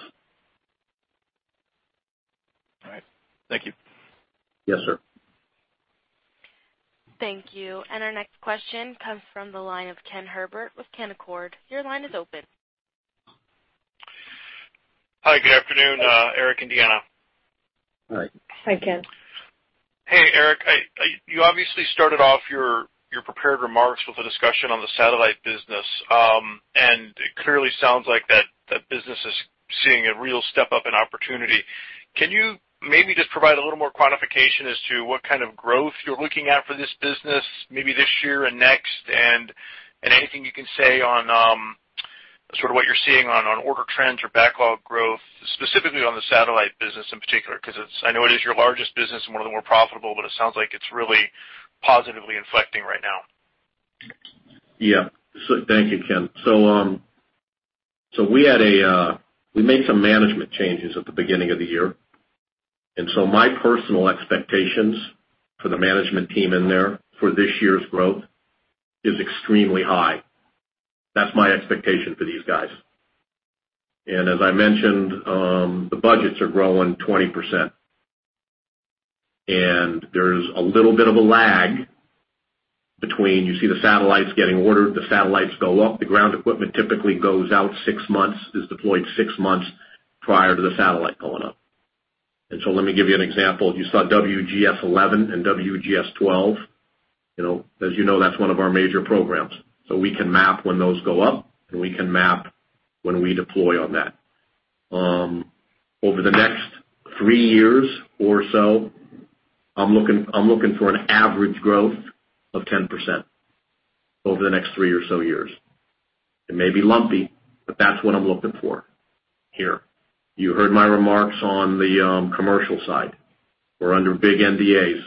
All right. Thank you. Yes, sir. Thank you. Our next question comes from the line of Ken Herbert with Canaccord. Your line is open. Hi, good afternoon, Eric and Deanna. Hi. Hi, Ken. Hey, Eric. You obviously started off your prepared remarks with a discussion on the satellite business. It clearly sounds like that business is seeing a real step-up in opportunity. Can you maybe just provide a little more quantification as to what kind of growth you're looking at for this business maybe this year and next? Anything you can say on sort of what you're seeing on order trends or backlog growth, specifically on the satellite business in particular, because I know it is your largest business and one of the more profitable, but it sounds like it's really positively inflecting right now. Yeah. Thank you, Ken. We made some management changes at the beginning of the year, my personal expectations for the management team in there for this year's growth is extremely high. That's my expectation for these guys. As I mentioned, the budgets are growing 20%. There's a little bit of a lag between, you see the satellites getting ordered, the satellites go up, the ground equipment typically goes out six months, is deployed six months prior to the satellite going up. Let me give you an example. You saw WGS-11 and WGS-12. As you know, that's one of our major programs. We can map when those go up, and we can map when we deploy on that. Over the next three years or so, I'm looking for an average growth of 10% over the next three or so years. It may be lumpy, but that's what I'm looking for here. You heard my remarks on the commercial side. We're under big NDAs.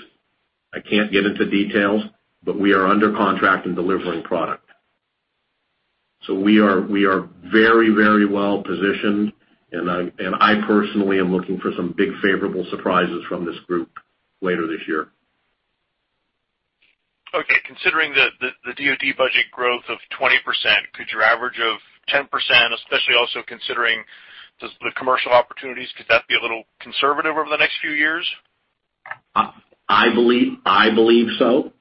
I can't get into details, but we are under contract and delivering product. We are very, very well positioned, and I personally am looking for some big favorable surprises from this group later this year. Okay. Considering the DoD budget growth of 20%, could your average of 10%, especially also considering the commercial opportunities, could that be a little conservative over the next few years? I believe so.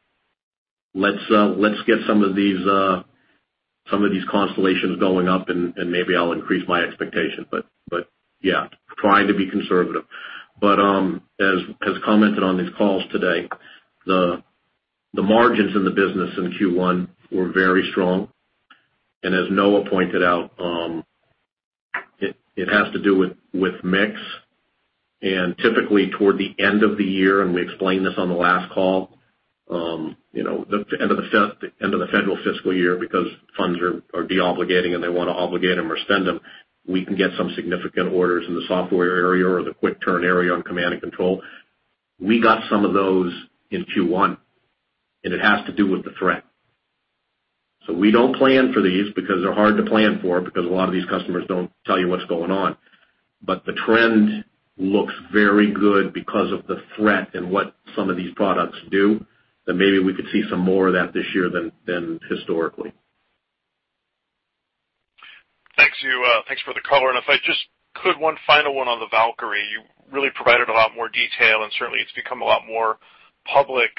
Let's get some of these constellations going up, and maybe I'll increase my expectation. Yeah, trying to be conservative. As commented on these calls today, the margins in the business in Q1 were very strong. As Noah pointed out, it has to do with mix and typically toward the end of the year, and we explained this on the last call. The end of the federal fiscal year, because funds are de-obligating, and they want to obligate them or spend them. We can get some significant orders in the software area or the quick turn area on command and control. We got some of those in Q1, and it has to do with the threat. We don't plan for these because they're hard to plan for, because a lot of these customers don't tell you what's going on. The trend looks very good because of the threat and what some of these products do, that maybe we could see some more of that this year than historically. Thank you. Thanks for the color. If I just could one final one on the Valkyrie. You really provided a lot more detail, and certainly it's become a lot more public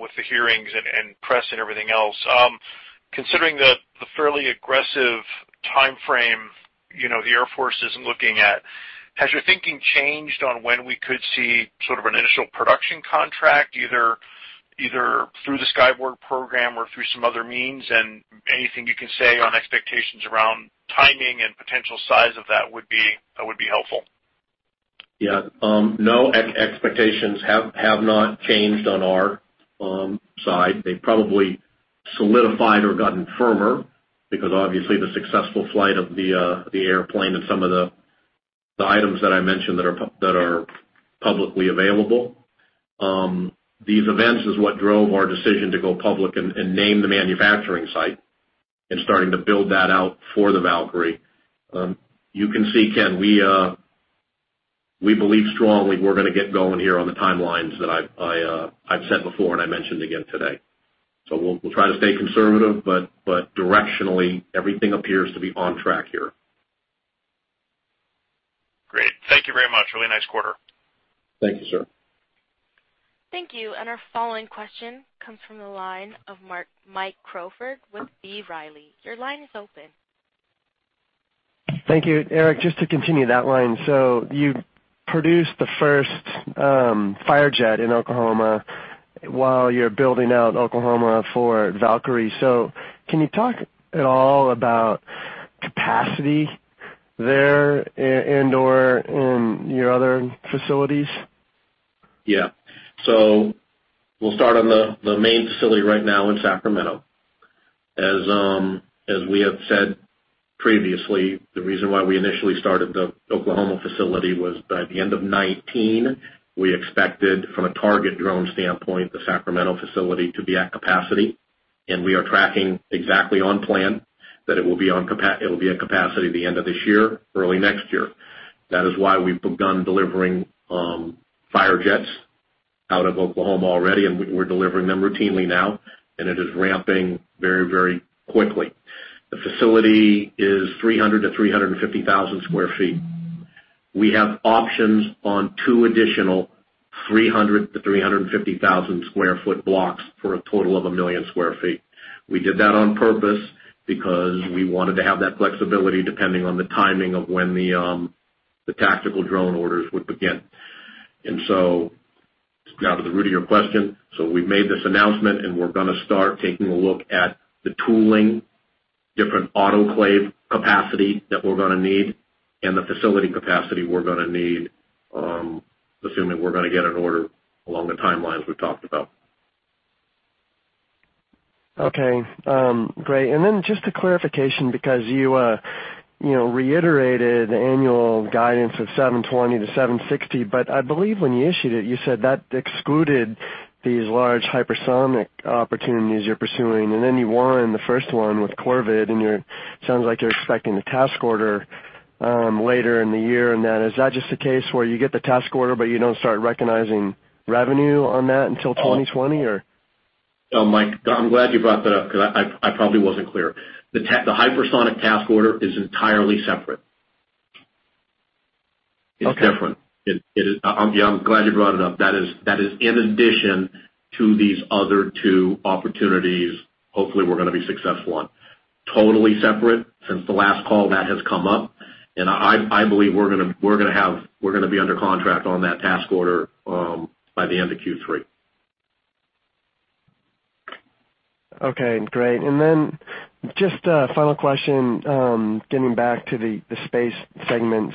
with the hearings and press and everything else. Considering the fairly aggressive timeframe the Air Force is looking at, has your thinking changed on when we could see sort of an initial production contract, either through the Skyborg program or through some other means? Anything you can say on expectations around timing and potential size of that would be helpful. Yeah. No. Expectations have not changed on our side. They probably solidified or gotten firmer because obviously the successful flight of the airplane and some of the items that I mentioned that are publicly available. These events is what drove our decision to go public and name the manufacturing site and starting to build that out for the Valkyrie. You can see, Ken, we believe strongly we're going to get going here on the timelines that I've said before, and I mentioned again today. We'll try to stay conservative, but directionally, everything appears to be on track here. Great. Thank you very much. Really nice quarter. Thank you, sir. Thank you. Our following question comes from the line of Mike Crawford with B. Riley. Your line is open. Thank you. Eric, just to continue that line. You produced the first Firejet in Oklahoma while you're building out Oklahoma for Valkyrie. Can you talk at all about capacity there and/or in your other facilities? Yeah. We'll start on the main facility right now in Sacramento. As we have said previously, the reason why we initially started the Oklahoma facility was by the end of 2019, we expected from a target drone standpoint, the Sacramento facility to be at capacity. We are tracking exactly on plan that it will be at capacity the end of this year, early next year. That is why we've begun delivering Firejets out of Oklahoma already, and we're delivering them routinely now, and it is ramping very, very quickly. The facility is 300,000-350,000 square feet. We have options on two additional 300,000-350,000 square foot blocks for a total of 1 million square feet. We did that on purpose because we wanted to have that flexibility depending on the timing of when the tactical drone orders would begin. Now to the root of your question. We've made this announcement, and we're going to start taking a look at the tooling, different autoclave capacity that we're going to need, and the facility capacity we're going to need, assuming we're going to get an order along the timelines we've talked about. Okay. Great. Just a clarification, because you reiterated the annual guidance of $720-$760. I believe when you issued it, you said that excluded these large hypersonic opportunities you're pursuing. You won the first one with Corvid, and it sounds like you're expecting the task order later in the year. Is that just the case where you get the task order, but you don't start recognizing revenue on that until 2020 or? Oh, Mike, I'm glad you brought that up because I probably wasn't clear. The hypersonic task order is entirely separate. Okay. It's different. I'm glad you brought it up. That is in addition to these other two opportunities hopefully we're going to be successful on. Totally separate. Since the last call, that has come up, and I believe we're going to be under contract on that task order by the end of Q3. Okay, great. Just a final question, getting back to the space segment.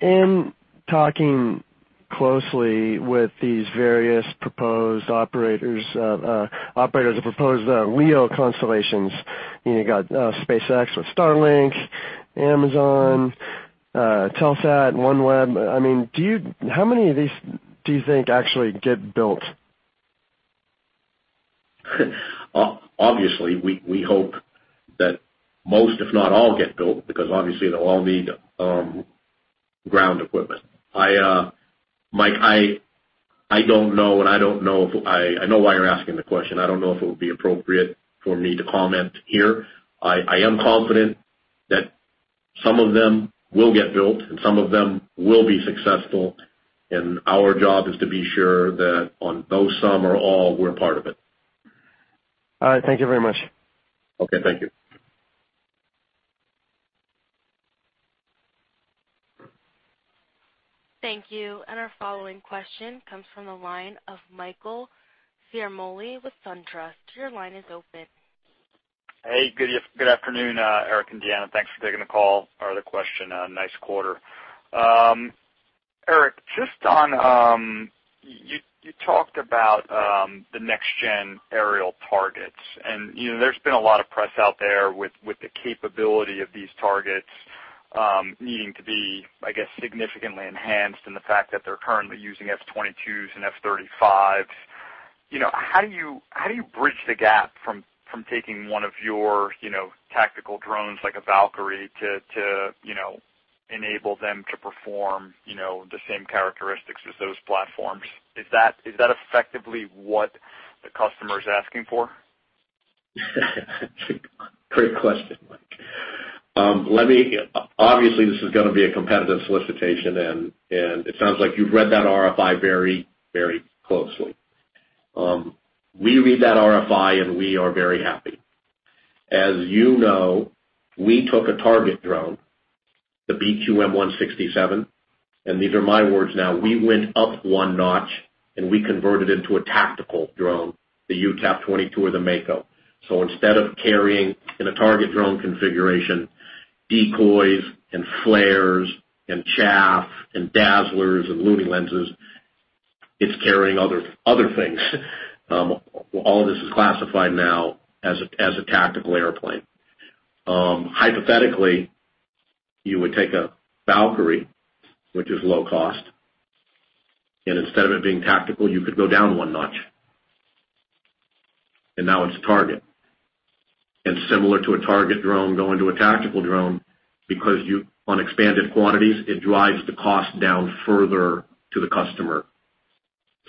In talking closely with these various proposed operators of proposed LEO constellations, you got SpaceX with Starlink, Amazon, Telesat, OneWeb. How many of these do you think actually get built? Obviously, we hope that most, if not all, get built because obviously they'll all need ground equipment. Mike, I don't know. I know why you're asking the question. I don't know if it would be appropriate for me to comment here. I am confident that some of them will get built, and some of them will be successful, and our job is to be sure that on those some or all, we're part of it. All right. Thank you very much. Okay. Thank you. Thank you. Our following question comes from the line of Michael Ciarmoli with SunTrust. Your line is open. Hey, good afternoon, Eric and Deanna. Thanks for taking the call or the question. Nice quarter. Eric, you talked about the next-gen aerial targets, and there's been a lot of press out there with the capability of these targets needing to be, I guess, significantly enhanced, and the fact that they're currently using F-22s and F-35s. How do you bridge the gap from taking one of your tactical drones, like a Valkyrie, to enable them to perform the same characteristics as those platforms? Is that effectively what the customer is asking for? Great question, Mike. Obviously, this is going to be a competitive solicitation, and it sounds like you've read that RFI very closely. We read that RFI, and we are very happy. As you know, we took a target drone, the BQM-167, and these are my words now, we went up one notch, and we converted into a tactical drone, the UTAP-22 or the Mako. Instead of carrying in a target drone configuration, decoys and flares and chaff and dazzlers and looming lenses, it's carrying other things. All of this is classified now as a tactical airplane. Hypothetically, you would take a Valkyrie, which is low cost, and instead of it being tactical, you could go down one notch. Now it's a target. Similar to a target drone going to a tactical drone, because on expanded quantities, it drives the cost down further to the customer.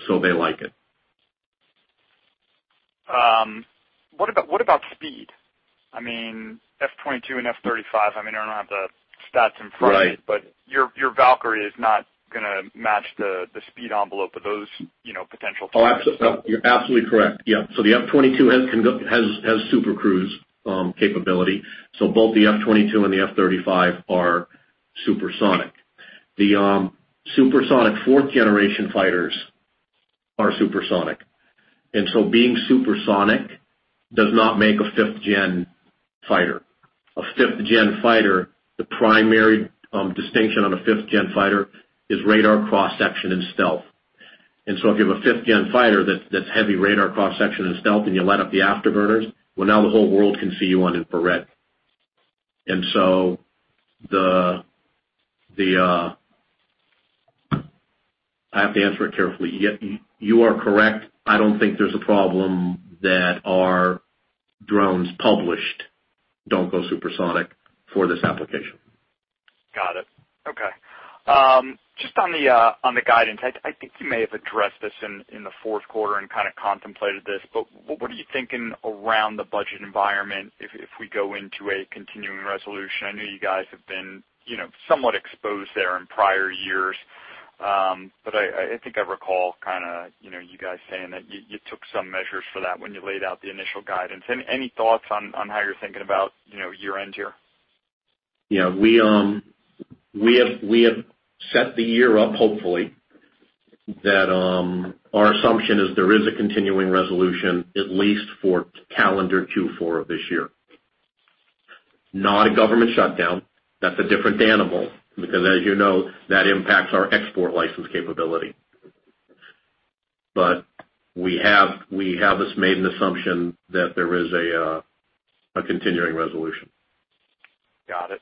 They like it. What about speed? F-22 and F-35, I don't have the stats in front of me. Right. Your Valkyrie is not going to match the speed envelope of those potential targets. You're absolutely correct. The F-22 has super cruise capability. Both the F-22 and the F-35 are supersonic. The supersonic fourth generation fighters are supersonic. Being supersonic does not make a fifth-gen fighter. The primary distinction on a fifth-gen fighter is radar cross-section and stealth. If you have a fifth-gen fighter that's heavy radar cross-section and stealth, and you light up the afterburners, well, now the whole world can see you on infrared. I have to answer it carefully. You are correct. I don't think there's a problem that our drones published don't go supersonic for this application. Got it. On the guidance, I think you may have addressed this in the fourth quarter and kind of contemplated this, what are you thinking around the budget environment if we go into a continuing resolution? I know you guys have been somewhat exposed there in prior years. I think I recall kind of you guys saying that you took some measures for that when you laid out the initial guidance. Any thoughts on how you're thinking about year-end here? We have set the year up, hopefully, that our assumption is there is a continuing resolution, at least for calendar Q4 of this year. Not a government shutdown. That's a different animal because as you know, that impacts our export license capability. We have just made an assumption that there is a continuing resolution. Got it.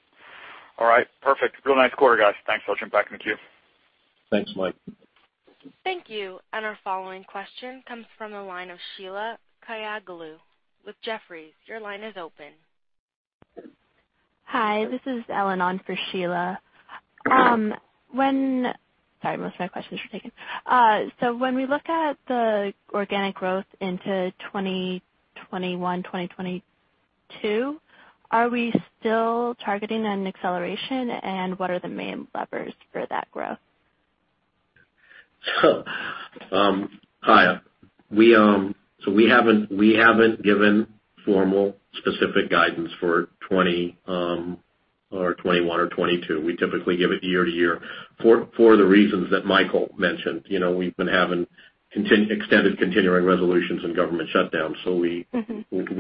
All right, perfect. Real nice quarter, guys. Thanks so much. Back in the queue. Thanks, Mike. Thank you. Our following question comes from the line of Sheila Kahyaoglu with Jefferies. Your line is open. Hi, this is Ellen on for Sheila. Sorry, most of my questions were taken. When we look at the organic growth into 2021, 2022, are we still targeting an acceleration? What are the main levers for that growth? Hi. We haven't given formal specific guidance for 2020 or 2021 or 2022. We typically give it year to year for the reasons that Michael mentioned. We've been having extended continuing resolutions and government shutdowns. We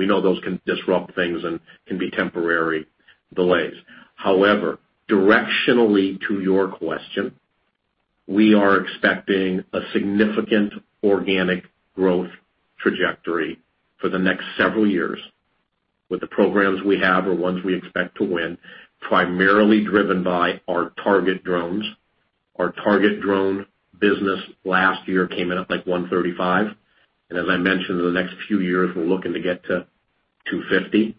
know those can disrupt things and can be temporary delays. However, directionally to your question, we are expecting a significant organic growth trajectory for the next several years with the programs we have or ones we expect to win, primarily driven by our target drones. Our target drone business last year came in at like $135. As I mentioned, in the next few years, we're looking to get to $250.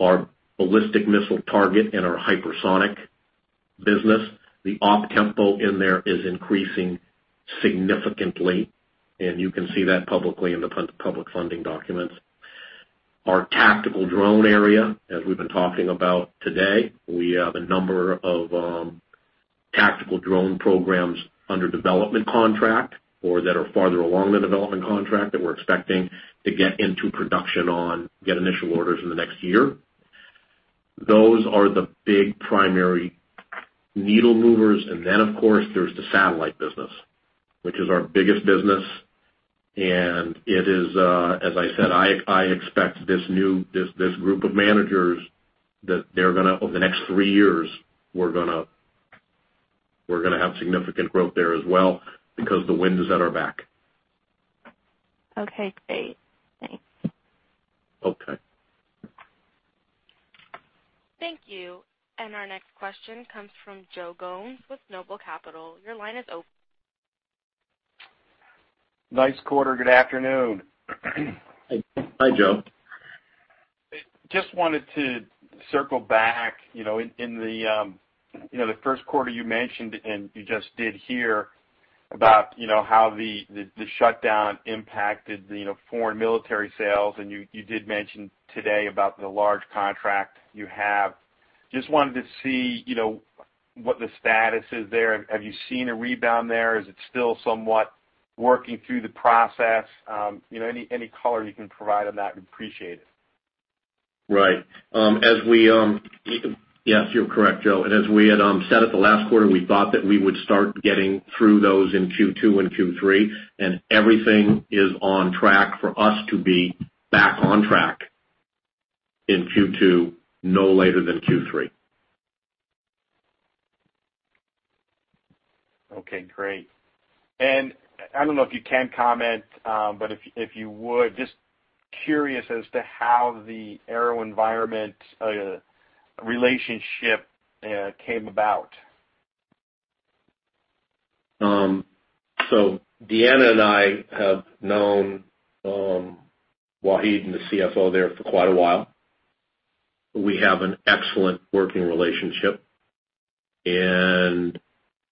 Our ballistic missile target and our hypersonic business, the op tempo in there is increasing significantly. You can see that publicly in the public funding documents. Our tactical drone area, as we've been talking about today, we have a number of tactical drone programs under development contract or that are farther along the development contract that we're expecting to get into production on, get initial orders in the next year. Those are the big primary needle movers. Of course, there's the satellite business, which is our biggest business. As I said, I expect this group of managers that over the next three years, we're going to have significant growth there as well because the wind is at our back. Okay, great. Thanks. Okay. Thank you. Our next question comes from Joe Gomes with Noble Capital. Your line is open. Nice quarter. Good afternoon. Hi, Joe. Just wanted to circle back. In the first quarter, you mentioned, and you just did here about how the shutdown impacted the foreign military sales, and you did mention today about the large contract you have. Just wanted to see what the status is there. Have you seen a rebound there? Is it still somewhat working through the process? Any color you can provide on that, we appreciate it. Right. Yes, you're correct, Joe. As we had said at the last quarter, we thought that we would start getting through those in Q2 and Q3, everything is on track for us to be back on track in Q2, no later than Q3. Okay, great. I don't know if you can comment, but if you would, just curious as to how the AeroVironment relationship came about. Deanna and I have known Wahid and the CFO there for quite a while. We have an excellent working relationship,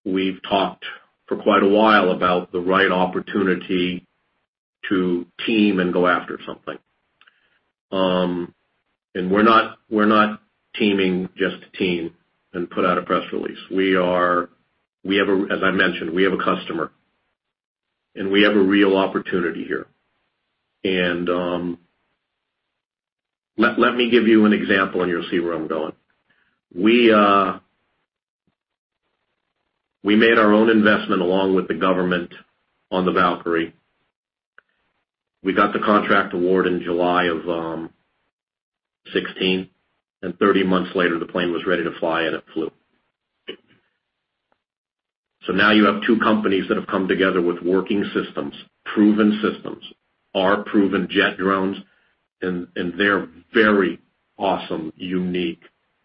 we've talked for quite a while about the right opportunity to team and go after something. We're not teaming just to team and put out a press release. As I mentioned, we have a customer, we have a real opportunity here. Let me give you an example, you'll see where I'm going. We made our own investment along with the government on the Valkyrie. We got the contract award in July of 2016, 30 months later, the plane was ready to fly, and it flew. Now you have two companies that have come together with working systems, proven systems, our proven jet drones, their very awesome, unique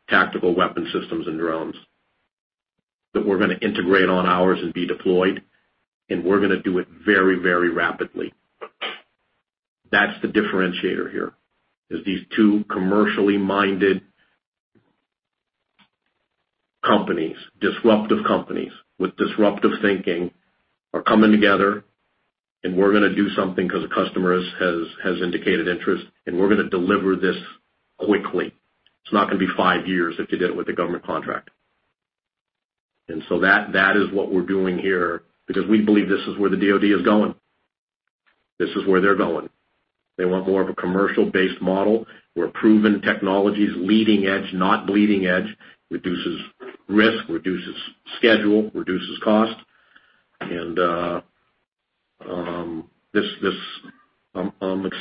tactical weapon systems and drones that we're going to integrate on ours and be deployed, we're going to do it very rapidly. That's the differentiator here, is these two commercially-minded companies, disruptive companies with disruptive thinking, are coming together, we're going to do something because a customer has indicated interest, we're going to deliver this quickly. It's not going to be five years if you did it with a government contract. That is what we're doing here because we believe this is where the DoD is going. This is where they're going. They want more of a commercial-based model where proven technologies, leading edge, not bleeding edge, reduces risk, reduces schedule, reduces cost.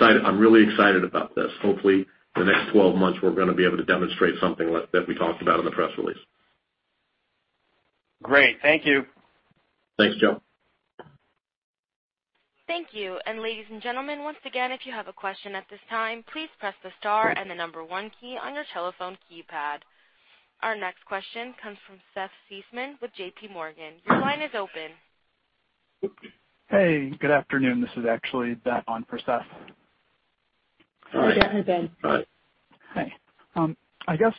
I'm really excited about this. Hopefully, the next 12 months, we're going to be able to demonstrate something that we talked about in the press release. Great. Thank you. Thanks, Joe. Thank you. Ladies and gentlemen, once again, if you have a question at this time, please press the star and the number one key on your telephone keypad. Our next question comes from Seth Seifman with JPMorgan. Your line is open. Hey, good afternoon. This is actually Ben on for Seth. Hi. Go ahead, Ben. Hi. Hi. I guess,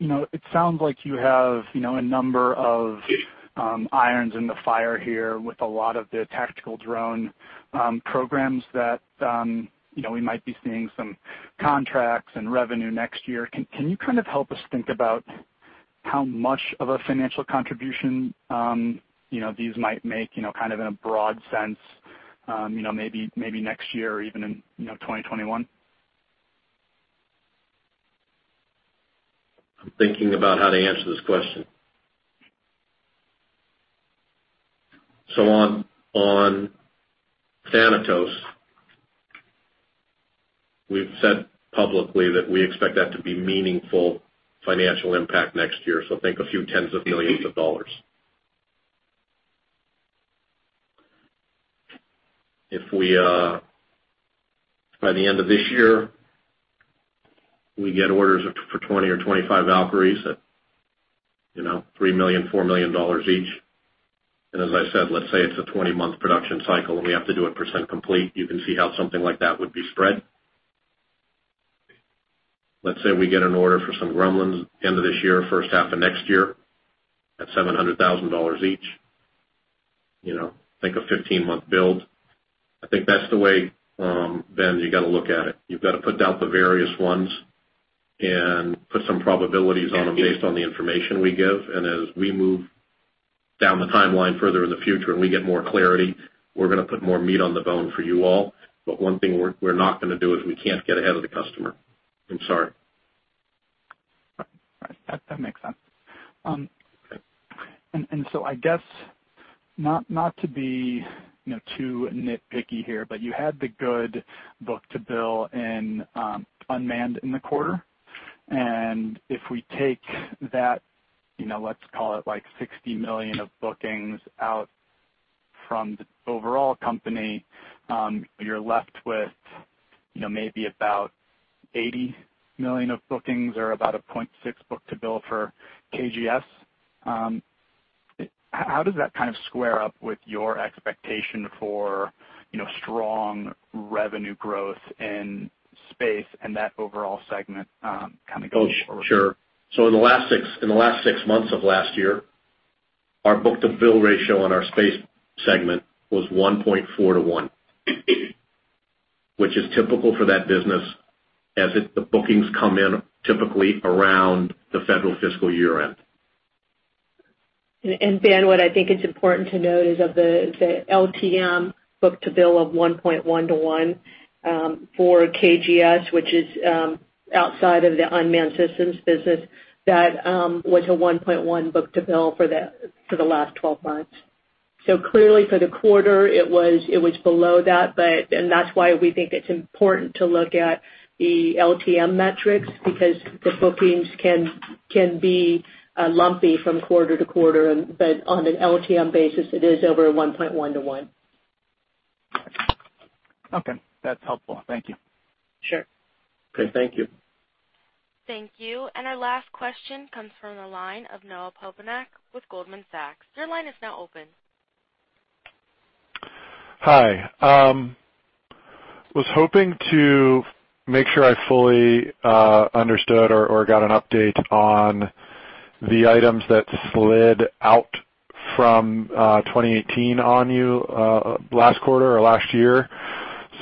it sounds like you have a number of irons in the fire here with a lot of the tactical drone programs that we might be seeing some contracts and revenue next year. Can you kind of help us think about how much of a financial contribution these might make in a broad sense maybe next year or even in 2021? I'm thinking about how to answer this question. On Thanatos, we've said publicly that we expect that to be meaningful financial impact next year. Think a few tens of millions of dollars. If we, by the end of this year, we get orders for 20 or 25 Valkyries at $3 million, $4 million each, and as I said, let's say it's a 20-month production cycle, and we have to do it percent complete, you can see how something like that would be spread. Let's say we get an order for some Gremlins end of this year, first half of next year, at $700,000 each. Think a 15-month build. I think that's the way, Ben, you've got to look at it. You've got to put down the various ones and put some probabilities on them based on the information we give. As we move down the timeline further in the future and we get more clarity, we're going to put more meat on the bone for you all. One thing we're not going to do is we can't get ahead of the customer. I'm sorry. Right. That makes sense. I guess not to be too nitpicky here, but you had the good book-to-bill in unmanned in the quarter. If we take that, let's call it like $60 million of bookings out from the overall company, you're left with maybe about $80 million of bookings or about a 0.6 book-to-bill for KGS. How does that kind of square up with your expectation for strong revenue growth in space and that overall segment kind of going forward? Sure. In the last six months of last year, our book-to-bill ratio on our space segment was 1.4:1, which is typical for that business as the bookings come in typically around the federal fiscal year-end. Ben, what I think is important to note is of the LTM book-to-bill of 1.1:1 for KGS, which is outside of the unmanned systems business, that was a 1.1 book-to-bill for the last 12 months. Clearly for the quarter, it was below that, and that's why we think it's important to look at the LTM metrics because the bookings can be lumpy from quarter to quarter. On an LTM basis, it is over 1.1:1. Okay. That's helpful. Thank you. Sure. Okay. Thank you. Thank you. Our last question comes from the line of Noah Poponak with Goldman Sachs. Your line is now open. Hi. Was hoping to make sure I fully understood or got an update on the items that slid out from 2018 on you last quarter or last year.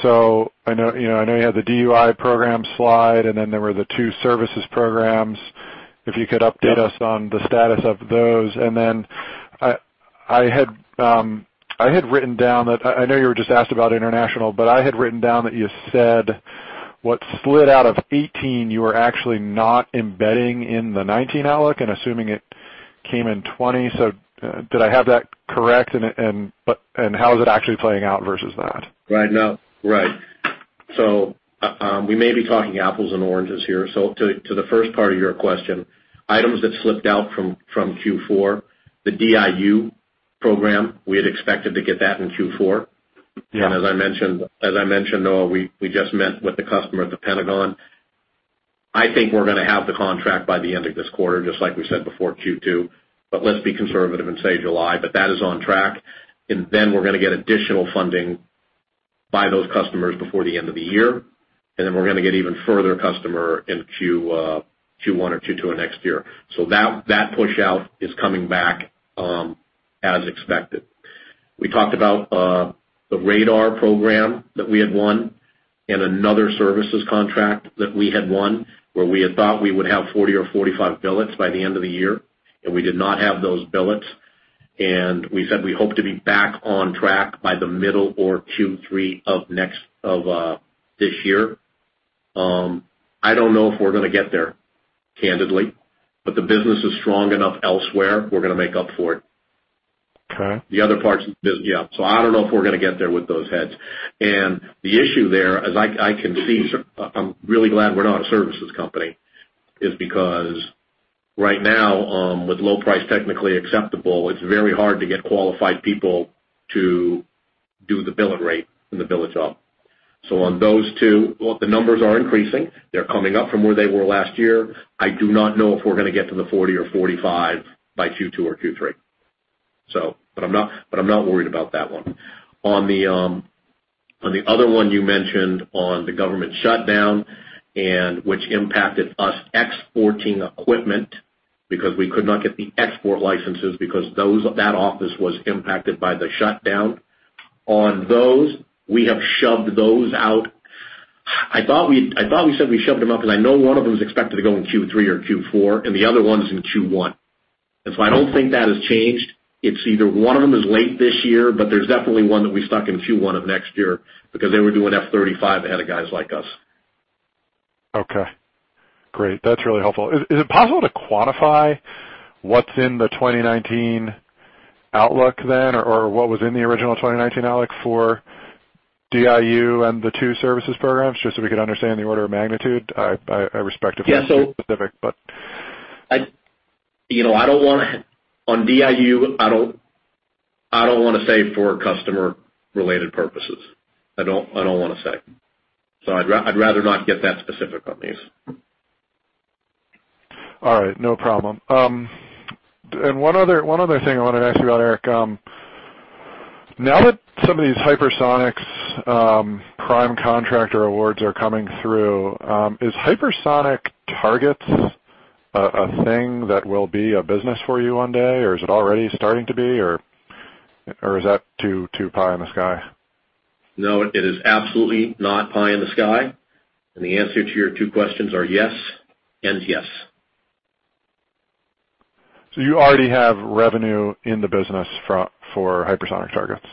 I know you had the DIU program slide, and then there were the two services programs. If you could update us on the status of those. Then I had written down that, I know you were just asked about international, but I had written down that you said what slid out of 2018, you are actually not embedding in the 2019 outlook and assuming it came in 2020. Did I have that correct? How is it actually playing out versus that? Right. We may be talking apples and oranges here. To the first part of your question, items that slipped out from Q4, the DIU program, we had expected to get that in Q4. Yeah. As I mentioned, Noah, we just met with the customer at the Pentagon. I think we're going to have the contract by the end of this quarter, just like we said before Q2, but let's be conservative and say July, but that is on track. We're going to get additional funding by those customers before the end of the year. We're going to get even further customer in Q1 or Q2 of next year. That pushout is coming back as expected. We talked about the radar program that we had won and another services contract that we had won, where we had thought we would have 40 or 45 billets by the end of the year, and we did not have those billets. We said we hope to be back on track by the middle or Q3 of this year. I don't know if we're going to get there, candidly, but the business is strong enough elsewhere, we're going to make up for it. Okay. The other parts, yeah. I don't know if we're going to get there with those heads. The issue there, as I can see, I'm really glad we're not a services company, is because right now, with low price technically acceptable, it's very hard to get qualified people to do the bill and rate and the bill of top. On those two, the numbers are increasing. They're coming up from where they were last year. I do not know if we're going to get to the 40 or 45 by Q2 or Q3. I'm not worried about that one. On the other one you mentioned on the government shutdown and which impacted us exporting equipment because we could not get the export licenses because that office was impacted by the shutdown. On those, we have shoved those out. I thought we said we shoved them up because I know one of them is expected to go in Q3 or Q4, and the other one is in Q1. I don't think that has changed. It's either one of them is late this year, but there's definitely one that we stuck in Q1 of next year because they were doing F-35 ahead of guys like us. Okay. Great. That's really helpful. Is it possible to quantify what's in the 2019 outlook then? What was in the original 2019 outlook for DIU and the two services programs, just so we could understand the order of magnitude? I respect if it's too specific. On DIU, I don't want to say for customer-related purposes. I don't want to say. I'd rather not get that specific on these. All right. No problem. One other thing I wanted to ask you about, Eric. Now that some of these hypersonic prime contractor awards are coming through, is hypersonic targets a thing that will be a business for you one day or is it already starting to be or is that too pie in the sky? No, it is absolutely not pie in the sky. The answer to your two questions are yes and yes. You already have revenue in the business for hypersonic targets?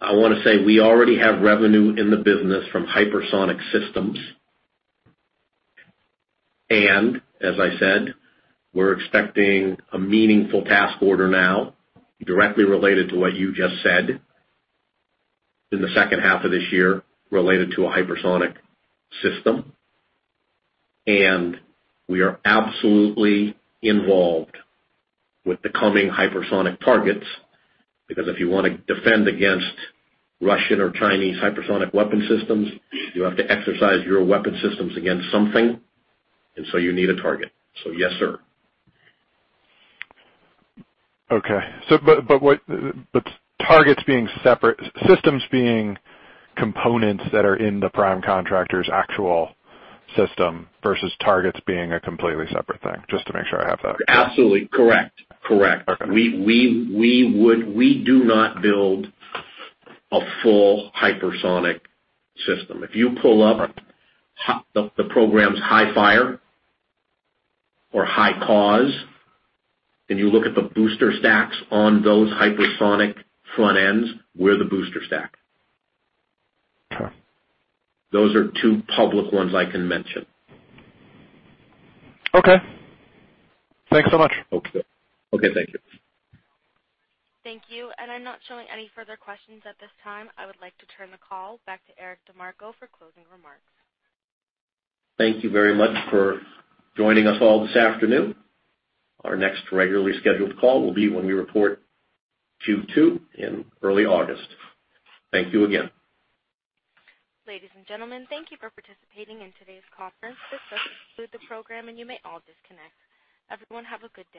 I want to say we already have revenue in the business from hypersonic systems. As I said, we're expecting a meaningful task order now directly related to what you just said in the second half of this year related to a hypersonic system. We are absolutely involved with the coming hypersonic targets because if you want to defend against Russian or Chinese hypersonic weapon systems, you have to exercise your weapon systems against something, and so you need a target. Yes, sir. Okay. Targets being separate, systems being components that are in the prime contractor's actual system versus targets being a completely separate thing. Just to make sure I have that correct. Absolutely. Correct. Okay. We do not build a full hypersonic system. If you pull up the programs HIFiRE or HyCAUSE and you look at the booster stacks on those hypersonic front ends, we're the booster stack. Okay. Those are two public ones I can mention. Okay. Thanks so much. Okay. Thank you. Thank you. I'm not showing any further questions at this time. I would like to turn the call back to Eric DeMarco for closing remarks. Thank you very much for joining us all this afternoon. Our next regularly scheduled call will be when we report Q2 in early August. Thank you again. Ladies and gentlemen, thank you for participating in today's conference. This does conclude the program, and you may all disconnect. Everyone, have a good day.